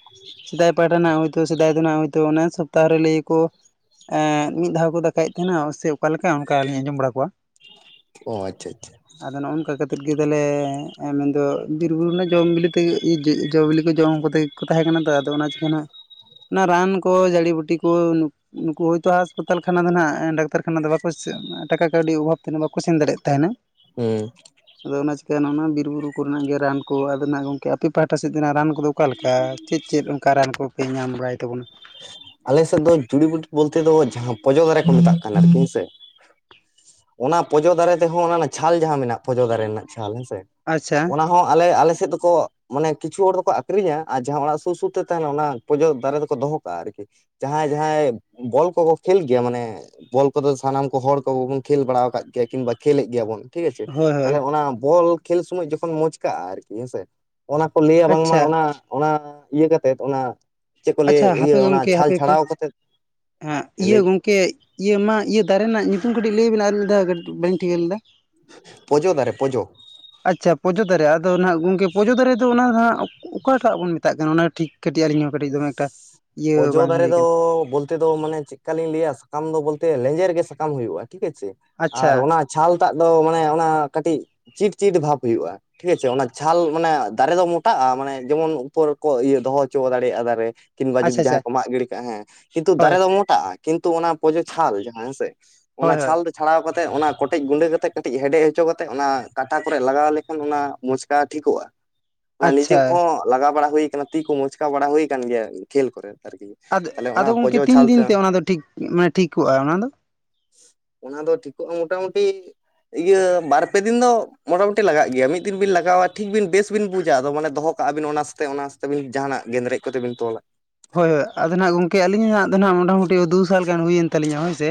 Speaker 2: ᱥᱮᱫᱟᱭ ᱯᱟᱦᱴᱟ ᱨᱮᱱᱟᱜ ᱦᱳᱭᱛᱳ ᱥᱮᱫᱟᱭ ᱫᱚ ᱱᱟᱜ ᱦᱚᱭᱛᱳ ᱚᱱᱟ ᱥᱚᱯᱛᱟᱦᱚ ᱨᱮ ᱞᱟᱹᱭᱟᱠᱚ ᱮᱸᱜ ᱢᱤᱫ ᱫᱷᱟᱣ ᱠᱚ ᱫᱟᱠᱟᱭᱮᱫ ᱛᱟᱦᱮᱱᱟ ᱥᱮ ᱚᱠᱟᱞᱮᱠᱟ ᱚᱱᱠᱟ ᱞᱤᱧ ᱟᱸᱡᱚᱢ ᱵᱟᱲᱟ ᱠᱚᱣᱟ᱾
Speaker 1: ᱚ ᱟᱪᱪᱷᱟ ᱟᱪᱷᱟ᱾
Speaker 2: ᱟᱫᱚ ᱱᱚᱜᱼᱚᱱᱠᱟ ᱠᱟᱛᱮᱫ ᱜᱮ ᱫᱟᱞᱮ ᱢᱮᱱᱫᱚ, ᱵᱤᱨᱵᱩᱨᱩ ᱨᱮᱱᱟᱜ ᱡᱚᱢ ᱵᱤᱞᱤ ᱛᱮᱜᱮ ᱡᱚᱼ ᱵᱤᱞᱤ ᱠᱚ ᱡᱚᱢ ᱠᱚᱛᱮᱜ ᱜᱮ ᱠᱚ ᱛᱟᱦᱮᱸ ᱠᱟᱱᱟ ᱛᱚ ᱟᱫᱚ ᱚᱱᱟ ᱪᱤᱠᱟᱹ ᱱᱟᱦᱟᱜ, ᱚᱱᱟ ᱨᱟᱱ ᱠᱚ ᱡᱟᱹᱲᱤ ᱵᱩᱴᱤ ᱠᱚ ᱱᱩᱠᱩ ᱦᱳᱭᱛᱳ ᱦᱟᱸᱥᱯᱟᱛᱟᱞ ᱠᱷᱟᱱᱟ ᱫᱚ ᱱᱟᱜ ᱰᱟᱠᱛᱟᱨ ᱠᱷᱟᱱᱟ ᱫᱚ ᱵᱟᱠᱚᱥ ᱴᱟᱠᱟ ᱠᱟᱹᱣᱰᱤ ᱚᱵᱷᱟᱵ ᱛᱮ ᱱᱟᱜ ᱵᱟᱠᱚ ᱥᱮᱱ ᱫᱟᱲᱮᱜ ᱛᱟᱦᱮᱱᱟ᱾
Speaker 1: ᱦᱩᱸ
Speaker 2: ᱟᱫᱚ ᱚᱱᱟ ᱪᱤᱠᱟᱹ ᱱᱚᱜ-ᱚᱱᱟ ᱵᱤᱨ ᱵᱩᱨᱩ ᱠᱚᱨᱮᱱᱟᱜ ᱜᱮ ᱨᱟᱱ ᱠᱚ ᱟᱫᱚ ᱱᱟᱜ ᱜᱚᱢᱠᱮ ᱟᱯᱮ ᱯᱟᱦᱟᱴᱟ ᱥᱮᱫ ᱫᱚ ᱱᱟᱜ ᱨᱟᱱ ᱠᱚᱫᱚ ᱚᱠᱟ ᱞᱮᱠᱟ ᱪᱮᱫ ᱪᱮᱫ ᱚᱱᱠᱟ ᱨᱟᱱ ᱠᱚᱯᱮ ᱧᱟᱢ ᱵᱟᱲᱟᱭ ᱛᱟᱵᱚᱱᱟ?
Speaker 1: ᱟᱞᱮᱥᱮᱫ ᱫᱚ ᱡᱩᱲᱤ ᱵᱩᱴᱤ ᱵᱚᱞᱛᱮ ᱫᱚ ᱡᱟᱦᱟᱸ ᱯᱚᱡᱚ ᱫᱟᱨᱮ ᱠᱚ ᱢᱮᱛᱟᱜ ᱠᱟᱱᱟ ᱟᱨᱠᱤ ᱦᱮᱸ ᱥᱮ ᱚᱱᱟ ᱯᱚᱡᱚ ᱫᱟᱨᱮ ᱛᱮᱦᱚᱸ ᱚᱱᱟ ᱨᱮᱱᱟᱜ ᱪᱷᱟᱞ ᱡᱟᱦᱟᱸ ᱢᱮᱱᱟᱜᱼᱟ ᱯᱚᱡᱚ ᱫᱟᱨᱮ ᱨᱮᱱᱟᱜ ᱪᱷᱟᱞ ᱦᱮᱸᱥᱮ ᱾
Speaker 2: ᱟᱪᱪᱷᱟ
Speaker 1: ᱦᱚᱸ ᱟᱞᱮ ᱟᱞᱮᱥᱮᱫ ᱫᱚᱠᱚ, ᱢᱟᱱᱮ ᱠᱤᱪᱷᱩ ᱦᱚᱲ ᱫᱚᱠᱚ ᱟᱠᱷᱨᱤᱧᱟ ᱟᱨ ᱡᱟᱦᱟᱸ ᱚᱲᱟᱜ ᱥᱩᱨ ᱥᱩᱨ ᱛᱮ ᱛᱟᱦᱮᱱᱟ ᱚᱱᱟ ᱯᱚᱡᱟᱹ ᱫᱟᱨᱮ ᱫᱚᱠᱚ ᱫᱚᱦᱚ ᱠᱟᱜ-ᱟ ᱟᱨᱠᱤ ᱡᱟᱦᱟᱸᱭ ᱡᱟᱦᱟᱸᱭ ᱵᱚᱞ ᱠᱚᱠᱚ ᱠᱷᱮᱞ ᱜᱮᱭᱟ ᱢᱟᱱᱮ ᱵᱚᱞ ᱠᱚᱫᱚ ᱥᱟᱱᱟᱢ ᱠᱚ ᱦᱚᱲ ᱠᱚᱵᱚᱱ ᱠᱷᱮᱞ ᱵᱟᱲᱟ ᱟᱠᱟᱫ ᱜᱮᱭᱟ ᱠᱤᱝᱵᱟ ᱠᱷᱮᱞᱮᱫ ᱜᱮᱭᱟ ᱵᱚᱱ᱾ ᱴᱷᱤᱠ ᱟᱪᱷᱮ
Speaker 2: ᱦᱳᱭ ᱦᱳᱭ
Speaker 1: ᱛᱟᱦᱞᱮ ᱚᱱᱟ ᱵᱚᱞ ᱠᱷᱮᱞ ᱥᱚᱢᱚᱭ ᱡᱚᱠᱷᱚᱱ ᱢᱚᱪᱠᱟᱜᱼᱟ ᱟᱨᱠᱤ ᱦᱮᱸᱥᱮ, ᱚᱱᱟ ᱠᱚ ᱞᱟᱹᱭᱟ ᱵᱟᱝᱢᱟ
Speaker 2: ᱟᱪᱪᱷᱟ
Speaker 1: ᱚᱱᱟ ᱚᱱᱟ ᱤᱭᱟᱹ ᱠᱟᱛᱮᱫ ᱚᱱᱟ ᱪᱮᱫ ᱠᱚ ᱞᱟᱹᱭᱟᱹ
Speaker 2: ᱦᱳᱭ ᱜᱚᱢᱠᱮ ᱦᱟᱯᱮ ᱦᱟᱯᱮ ᱦᱮᱸ ᱤᱭᱟᱹ
Speaker 1: ᱞᱟᱹᱭ
Speaker 2: ᱜᱚᱝᱠᱮ ᱠᱮ ᱤᱭᱟᱹ ᱢᱟ ᱤᱭᱟᱹ ᱫᱟᱨᱮ ᱨᱮᱱᱟᱜ ᱧᱩᱛᱩᱢ ᱠᱟᱹᱴᱤᱡ ᱞᱟᱹᱭ ᱵᱮᱱ ᱟᱨ ᱢᱤᱫ ᱫᱷᱟᱣ? [unintelligible] ᱵᱟᱹᱞᱤᱧ ᱴᱷᱤᱠᱟᱹ ᱞᱮᱫᱟ᱾
Speaker 1: ᱯᱚᱡᱚ ᱫᱟᱨᱮ ᱯᱚᱡᱚ
Speaker 2: ᱟᱪᱪᱷᱟ ᱯᱚᱡᱚ ᱫᱟᱨᱮ ᱟᱫᱚ ᱱᱟᱦᱟᱜ ᱜᱚᱝᱠᱮ ᱯᱚᱡᱚ ᱫᱟᱨᱮ ᱫᱚ ᱚᱱᱟ ᱫᱚ ᱦᱟᱜ, ᱚᱠᱟᱴᱟᱜ ᱵᱚᱱ ᱢᱮᱛᱟᱜ ᱠᱟᱱᱟ ᱚᱱᱟ ᱴᱷᱤᱠ ᱠᱟᱹᱴᱤᱡ ᱟᱹᱞᱤᱧ ᱦᱚᱸ ᱠᱟᱹᱴᱤᱡ ᱫᱚᱢᱮ ᱮᱠᱴᱟ ᱤᱭᱟᱹ
Speaker 1: ᱯᱚᱡᱚ
Speaker 2: ᱵᱟᱝ
Speaker 1: ᱫᱟᱨᱮ
Speaker 2: ᱦᱩᱭ ᱠᱟᱱᱟ
Speaker 1: ᱫᱚ ᱵᱚᱞ ᱛᱮ ᱫᱚ ᱢᱟᱱᱮ ᱪᱮᱫᱠᱟᱞᱤᱧ ᱞᱟᱹᱭᱟ ᱥᱟᱠᱟᱢ ᱫᱚ ᱵᱚᱞᱛᱮ ᱞᱮᱸᱡᱮᱨ ᱜᱮ ᱥᱟᱠᱟᱢ ᱦᱩᱭᱩᱜᱼᱟ ᱴᱷᱤᱠ ᱟᱪᱷᱮ ᱾ ᱟᱨ
Speaker 2: ᱟᱪᱪᱷᱟ
Speaker 1: ᱚᱱᱟ ᱪᱷᱟᱞ ᱴᱟᱜ ᱫᱚ ᱢᱟᱱᱮ ᱚᱱᱟ ᱠᱟᱹᱴᱤᱡ ᱪᱤᱴ ᱪᱤᱴ ᱵᱷᱟᱵ ᱦᱩᱭᱩᱜᱼᱟ᱾ ᱴᱷᱤᱠ ᱟᱪᱷᱮ ᱚᱱᱟ ᱪᱷᱟᱞ ᱢᱟᱱᱮ ᱫᱟᱨᱮ ᱫᱚ ᱢᱚᱴᱟᱜᱼᱟ ᱢᱟᱱᱮ ᱡᱮᱢᱚᱱ ᱩᱯᱚᱨ ᱠᱚ ᱤᱭᱟᱹ ᱫᱚᱦᱚ ᱦᱚᱪᱚ ᱫᱟᱲᱮᱭᱟᱜᱼᱟ ᱫᱟᱨᱮ᱾ ᱠᱤᱢᱵᱟ ᱡᱩᱫᱤ
Speaker 2: ᱟᱪᱪᱷᱟ ᱟᱪᱪᱷᱟ
Speaker 1: ᱡᱟᱦᱟᱸ ᱠᱚ ᱢᱟᱜ ᱜᱤᱰᱤ ᱠᱟᱜᱼᱟ ᱦᱮᱸ ᱠᱤᱱᱛᱩ ᱫᱟᱨᱮ
Speaker 2: ᱦᱳᱭ
Speaker 1: ᱫᱚ ᱢᱚᱴᱟᱜᱼᱟ, ᱠᱤᱱᱛᱩ ᱚᱱᱟ ᱯᱚᱡᱚ ᱪᱷᱟᱞ ᱡᱟᱦᱟᱸ ᱦᱮᱸᱥᱮ᱾ ᱚᱱᱟ
Speaker 2: ᱦᱳᱭ ᱦᱳᱭ
Speaker 1: ᱪᱷᱟᱞ ᱫᱚ ᱪᱷᱟᱲᱟᱣ ᱠᱟᱛᱮ ᱚᱱᱟ ᱠᱚᱴᱮᱡ ᱜᱩᱸᱰᱟᱹ ᱠᱟᱛᱮ ᱠᱟᱹᱴᱤᱡ ᱦᱮᱰᱮᱡ ᱦᱚᱪᱚ ᱠᱟᱛᱮ ᱚᱱᱟ ᱠᱟᱴᱟ ᱠᱚᱨᱮ ᱞᱟᱜᱟᱣ ᱞᱮᱠᱷᱟᱱ ᱚᱱᱟ ᱢᱚᱪᱠᱟᱣ ᱴᱷᱤᱠᱚᱜᱼᱟ᱾ ᱚᱱᱟ ᱱᱤᱡᱮ
Speaker 2: ᱟᱪᱪᱷᱟ
Speaker 1: ᱠᱚᱦᱚᱸ ᱞᱟᱜᱟᱣ ᱵᱟᱲᱟ ᱦᱩᱭ ᱠᱟᱱᱟ ᱛᱤ ᱠᱚ ᱢᱚᱪᱠᱟᱣ ᱵᱟᱲᱟ ᱦᱩᱭ ᱠᱟᱱᱟᱱ ᱜᱮᱭᱟ ᱠᱷᱮᱞ ᱠᱚᱨᱮ ᱟᱨᱠᱤ᱾
Speaker 2: ᱟᱫᱚ
Speaker 1: ᱛᱟᱦᱞᱮ
Speaker 2: ᱟᱫᱚ
Speaker 1: ᱚᱱᱟ
Speaker 2: ᱜᱚᱢᱠᱮ
Speaker 1: ᱯᱚᱡᱚ
Speaker 2: ᱛᱤᱱ ᱫᱤᱱ ᱛᱮ
Speaker 1: ᱪᱷᱟᱞᱛᱮ
Speaker 2: ᱚᱱᱟ ᱫᱚ ᱴᱷᱤᱠ ᱢᱟᱱᱮ ᱴᱷᱤᱠᱚᱜᱼᱟ ᱚᱱᱟ ᱫᱚ?
Speaker 1: ᱚᱱᱟ ᱫᱚ ᱴᱷᱤᱠᱚᱜᱼᱟ ᱢᱚᱴᱟᱢᱩᱴᱤ ᱤᱭᱟᱹ ᱵᱟᱨ ᱯᱮ ᱫᱤᱱ ᱫᱚ ᱢᱚᱴᱟᱢᱩᱴᱤ ᱞᱟᱜᱟᱜ ᱜᱮᱭᱟ ᱢᱤᱫ ᱫᱤᱱ ᱵᱤᱱ ᱞᱟᱜᱟᱣᱟ ᱴᱷᱤᱠ ᱵᱤᱱ ᱵᱮᱥ ᱵᱩᱡᱟ ᱟᱫᱚ ᱢᱟᱱᱮ ᱫᱚᱦᱚ ᱟᱹᱵᱤᱱ ᱚᱱᱟᱥᱛᱮ ᱚᱱᱟᱥᱛᱮ ᱵᱤᱱ ᱡᱟᱦᱟᱱᱟᱜ ᱜᱮᱸᱫᱽᱨᱮᱡ ᱠᱚᱛᱮ ᱵᱤᱱ ᱛᱚᱞᱟ᱾
Speaker 2: ᱦᱳᱭ ᱦᱳᱭ ᱟᱫᱚ ᱦᱜ ᱜᱚᱝᱠᱮ ᱟᱹᱞᱤᱧ ᱦᱟᱸᱜ ᱫᱚ ᱱᱟᱦᱱᱟᱜ ᱢᱚᱴᱟᱢᱩᱴᱤ ᱫᱩ ᱥᱟᱞ ᱜᱟᱱ ᱦᱩᱭᱮᱱ ᱛᱟᱹᱞᱤᱧᱟ ᱦᱳᱭ ᱥᱮ᱾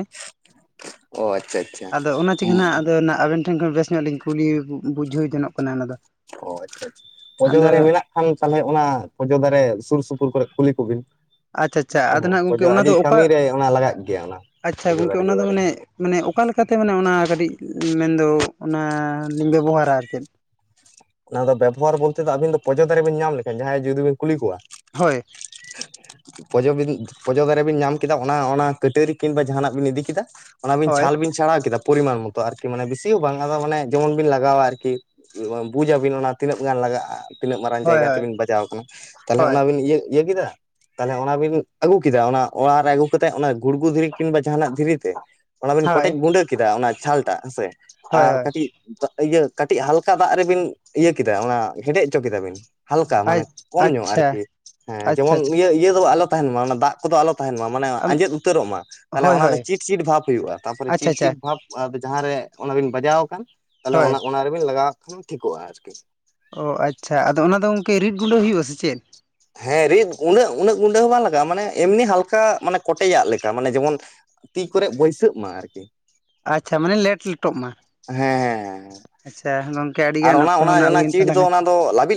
Speaker 1: ᱚ ᱟᱪᱪᱷᱟ ᱟᱪᱪᱷᱟ
Speaker 2: ᱟᱫᱚ ᱚᱱᱟ ᱪᱤᱠᱟᱹ ᱱᱟᱜ ᱟᱫᱚ ᱟᱵᱮᱱ ᱴᱷᱮᱱ ᱠᱷᱚᱱ ᱵᱮᱥ ᱧᱚᱜ ᱞᱤᱧ ᱠᱩᱞᱤ ᱵᱩᱡᱷᱟᱹᱣ ᱡᱚᱱᱚᱜ ᱠᱟᱱᱟ ᱚᱱᱟ ᱫᱚ᱾
Speaker 1: ᱚ ᱟᱪᱪᱷᱟ ᱟᱪᱪᱷᱟ ᱯᱚᱡᱚ
Speaker 2: ᱟᱫᱚ
Speaker 1: ᱫᱟᱨᱮ ᱢᱮᱱᱟᱜ? ᱠᱷᱟᱱ ᱛᱟᱞᱦᱮ ᱚᱱᱟ ᱯᱚᱡᱚ ᱫᱟᱨᱮ ᱥᱩᱨ ᱥᱩᱯᱩᱨ ᱠᱚᱨᱮ ᱠᱩᱞᱤ ᱠᱚᱵᱤᱱ᱾
Speaker 2: ᱟᱪᱪᱷᱟ ᱟᱪᱪᱷᱟ ᱟᱫᱚ ᱱᱟᱜ ᱜᱚᱝᱠᱮ
Speaker 1: ᱯᱚᱡᱚ
Speaker 2: ᱚᱱᱟ ᱫᱚ
Speaker 1: ᱟᱹᱰᱤ
Speaker 2: ᱚᱠᱟ
Speaker 1: ᱠᱟᱹᱢᱤᱨᱮ ᱚᱱᱟ ᱞᱟᱜᱟᱜ ᱜᱮᱭᱟ ᱚᱱᱟ
Speaker 2: ᱟᱪᱪᱷᱟ
Speaker 1: ᱯᱚᱡᱚ
Speaker 2: ᱜᱚᱝᱠᱮ
Speaker 1: ᱫᱟᱨᱮ
Speaker 2: ᱚᱱᱟ ᱫᱚ ᱢᱟᱱᱮ ᱢᱟᱱᱮ ᱚᱠᱟ ᱞᱮᱠᱟᱛᱮ ᱢᱟᱱᱮ ᱚᱱᱟ ᱠᱟᱹᱴᱤᱡ ᱢᱮᱱᱫᱚ ᱚᱱᱟᱞᱤᱧ ᱵᱮᱵᱚᱦᱟᱨᱟ ᱟᱨ ᱪᱮᱫ?
Speaker 1: ᱚᱱᱟ ᱫᱚ ᱵᱮᱵᱚᱦᱟᱨ ᱵᱚᱞᱛᱮ ᱫᱚ ᱟᱵᱤᱱ ᱫᱚ ᱯᱚᱡᱚ ᱫᱟᱨᱮ ᱵᱤᱱ ᱧᱟᱢ ᱞᱮᱠᱷᱟᱱ ᱡᱟᱦᱟᱸᱭ ᱡᱩᱫᱤ ᱵᱤᱱ ᱠᱩᱞᱤ ᱠᱚᱣᱟ᱾
Speaker 2: ᱦᱳᱭ
Speaker 1: [inaudible] ᱯᱚᱡᱚ ᱵᱤᱱ ᱯᱚᱡᱚ ᱫᱟᱨᱮ ᱵᱤᱱ ᱧᱟᱢ ᱠᱮᱫᱟ ᱚᱱᱟ ᱚᱱᱟ ᱠᱟᱹᱴᱟᱹᱨᱤ ᱠᱤᱝᱵᱟ ᱡᱟᱦᱟᱱᱟᱜ ᱵᱤᱱ ᱤᱫᱤ ᱠᱤᱮᱫᱟ᱾ ᱚᱱᱟᱵᱤᱱ
Speaker 2: ᱦᱳᱭ
Speaker 1: ᱪᱷᱟᱞ ᱵᱤᱱ ᱪᱷᱟᱲᱟᱣ ᱠᱮᱫᱟ ᱯᱚᱨᱤᱢᱟᱱ ᱢᱚᱛᱚ ᱟᱨᱠᱤ ᱢᱟᱱᱮ ᱵᱮᱥᱤ ᱦᱚᱸ ᱵᱟᱝ ᱟᱫᱚ ᱢᱟᱱᱮ ᱡᱮᱢᱚᱱ ᱵᱤᱱ ᱞᱟᱜᱟᱣᱟ ᱟᱨᱠᱤ ᱵᱩᱡᱟᱵᱤᱱ ᱚᱱᱟ ᱛᱤᱱᱟᱹᱜ ᱜᱟᱱ ᱞᱟᱜᱟᱜᱼᱟ᱾ ᱛᱤᱱᱟᱹᱜ ᱢᱟᱨᱟᱝ
Speaker 2: ᱦᱳᱭ
Speaker 1: ᱡᱟᱭᱜᱟ ᱛᱮ
Speaker 2: ᱦᱳᱭ
Speaker 1: ᱵᱤᱱ ᱵᱟᱡᱟᱣ ᱟᱠᱟᱱᱟ ᱛᱟᱦᱚᱞᱮ
Speaker 2: ᱦᱳᱭ
Speaker 1: ᱚᱱᱟᱵᱤᱱ ᱤᱭᱟᱹ ᱤᱭᱟᱹ ᱠᱮᱫᱟ᱾ ᱛᱟᱞᱦᱮ ᱚᱱᱟᱵᱤᱱ ᱟᱹᱜᱩ ᱠᱮᱫᱟ ᱚᱱᱟ ᱚᱲᱟᱜ ᱨᱮ ᱟᱹᱜᱩ ᱠᱟ ᱠᱟᱛᱮᱜ ᱚᱱᱟ ᱜᱩᱲᱜᱩ ᱫᱷᱤᱨᱤ ᱠᱤᱱᱵᱟ ᱡᱟᱦᱟᱱᱟᱜ ᱫᱷᱤᱨᱤ ᱛᱮ ᱚᱱᱟ ᱵᱮᱤᱱ
Speaker 2: ᱦᱳᱭ
Speaker 1: ᱠᱚᱴᱮᱡ ᱜᱩᱸᱰᱟᱹ ᱠᱮᱫᱟ ᱚᱱᱟ ᱪᱷᱟᱞᱴᱟᱜ ᱦᱮᱸᱥᱮ
Speaker 2: ᱦᱳᱭ
Speaker 1: ᱟᱨ
Speaker 2: ᱦᱳᱭ
Speaker 1: ᱠᱟᱹᱴᱤᱡ ᱤᱭᱟᱹ ᱠᱟᱹᱴᱤᱡ ᱦᱟᱞᱠᱟ ᱫᱟᱜ ᱨᱮᱵᱤᱱ ᱤᱭᱟᱹ ᱠᱮᱫᱟ ᱚᱱᱟ ᱦᱮᱰᱮᱡ ᱦᱚᱪᱚ ᱠᱮᱫᱟ ᱵᱤᱱ᱾ ᱦᱟᱞᱠᱟ
Speaker 2: ᱟᱡ
Speaker 1: ᱢᱟᱱᱮ ᱠᱚᱢ ᱧᱚᱜ
Speaker 2: ᱟᱪᱪᱷᱟ
Speaker 1: ᱟᱨᱠᱤ ᱦᱮᱸ
Speaker 2: ᱟᱪᱪᱷᱟ
Speaker 1: ᱡᱮᱢᱚᱱ
Speaker 2: ᱟᱪᱪᱷᱟ
Speaker 1: ᱤᱭᱟᱹ ᱤᱭᱟᱹ ᱫᱚ ᱟᱞᱚ ᱛᱟᱦᱮᱱ ᱢᱟ ᱚᱱᱟ ᱫᱟᱜ ᱠᱚᱫᱚ ᱟᱞᱚ ᱛᱟᱦᱮᱱ ᱢᱟ ᱢᱟᱱᱮ
Speaker 2: ᱟᱢ
Speaker 1: ᱟᱸᱡᱮᱫ ᱩᱛᱟᱹᱨᱚᱜ ᱢᱟ ᱛᱟᱦᱚᱞᱮ
Speaker 2: ᱦᱳᱭ
Speaker 1: ᱚᱱᱟ ᱫᱚ
Speaker 2: ᱦᱳᱭ
Speaker 1: ᱪᱤᱴ ᱪᱤᱴ ᱵᱷᱟᱵᱽ ᱦᱩᱭᱩᱜᱼᱟ, ᱛᱟᱯᱚᱨᱮ
Speaker 2: ᱟᱪᱪᱷᱟ
Speaker 1: ᱪᱤᱴ
Speaker 2: ᱟᱪᱪᱷᱟ
Speaker 1: ᱪᱤᱴ ᱵᱷᱟᱵᱽ ᱟᱫᱚ ᱡᱟᱦᱟᱸᱨᱮ ᱚᱱᱟᱵᱤᱱ ᱵᱟᱡᱟᱣ ᱟᱠᱟᱱ ᱛᱟᱦᱚᱞᱮ
Speaker 2: ᱦᱳᱭ
Speaker 1: ᱚᱱᱟ ᱚᱱᱟ ᱨᱮᱵᱤᱱ ᱞᱟᱜᱟᱣᱟᱜ ᱠᱷᱟᱱ ᱴᱷᱤᱠᱚᱜᱼᱟ ᱟᱨᱠᱤ᱾
Speaker 2: ᱚ ᱟᱪᱪᱷᱟ ᱟᱫᱚ ᱚᱱᱟᱫᱚ ᱜᱚᱝᱠᱮ ᱨᱤᱫ ᱜᱩᱸᱰᱟᱹ ᱦᱩᱭᱩᱜᱼᱟ ᱥᱮ ᱪᱮᱫ?
Speaker 1: ᱦᱮᱸ ᱨᱤᱫ ᱩᱱᱟᱹᱜ ᱩᱱᱟᱹᱜ ᱜᱩᱸᱰᱟᱹ ᱦᱚᱸ ᱵᱟᱝ ᱞᱟᱜᱟᱜᱼᱟ ᱢᱟᱱᱮ ᱮᱢᱱᱤ ᱦᱟᱞᱠᱟ ᱢᱟᱱᱮ ᱠᱚᱴᱮᱡᱭᱟᱜ ᱞᱮᱠᱟ ᱢᱟᱱᱮ ᱡᱮᱢᱚᱱ ᱛᱤ ᱠᱚᱨᱮᱜ ᱵᱟᱹᱭᱥᱟᱹᱜ ᱢᱟ ᱟᱨᱠᱤ᱾
Speaker 2: ᱟᱪᱪᱷᱟ ᱢᱟᱱᱮ ᱞᱮᱴ ᱞᱮᱴᱚᱜ ᱢᱟ᱾
Speaker 1: ᱦᱮᱸ ᱦᱮᱸ ᱦᱮᱸ
Speaker 2: ᱟᱪᱪᱷᱟ ᱜᱚᱝᱠᱮ ᱟᱹᱰᱤᱜᱟᱱ ᱚᱠᱛᱚ ᱦᱚᱸ ᱱᱟᱜ ᱦᱩᱭᱮᱱ ᱛᱟᱞᱟᱝᱟ᱾
Speaker 1: ᱛᱚ ᱞᱟᱵᱤᱜ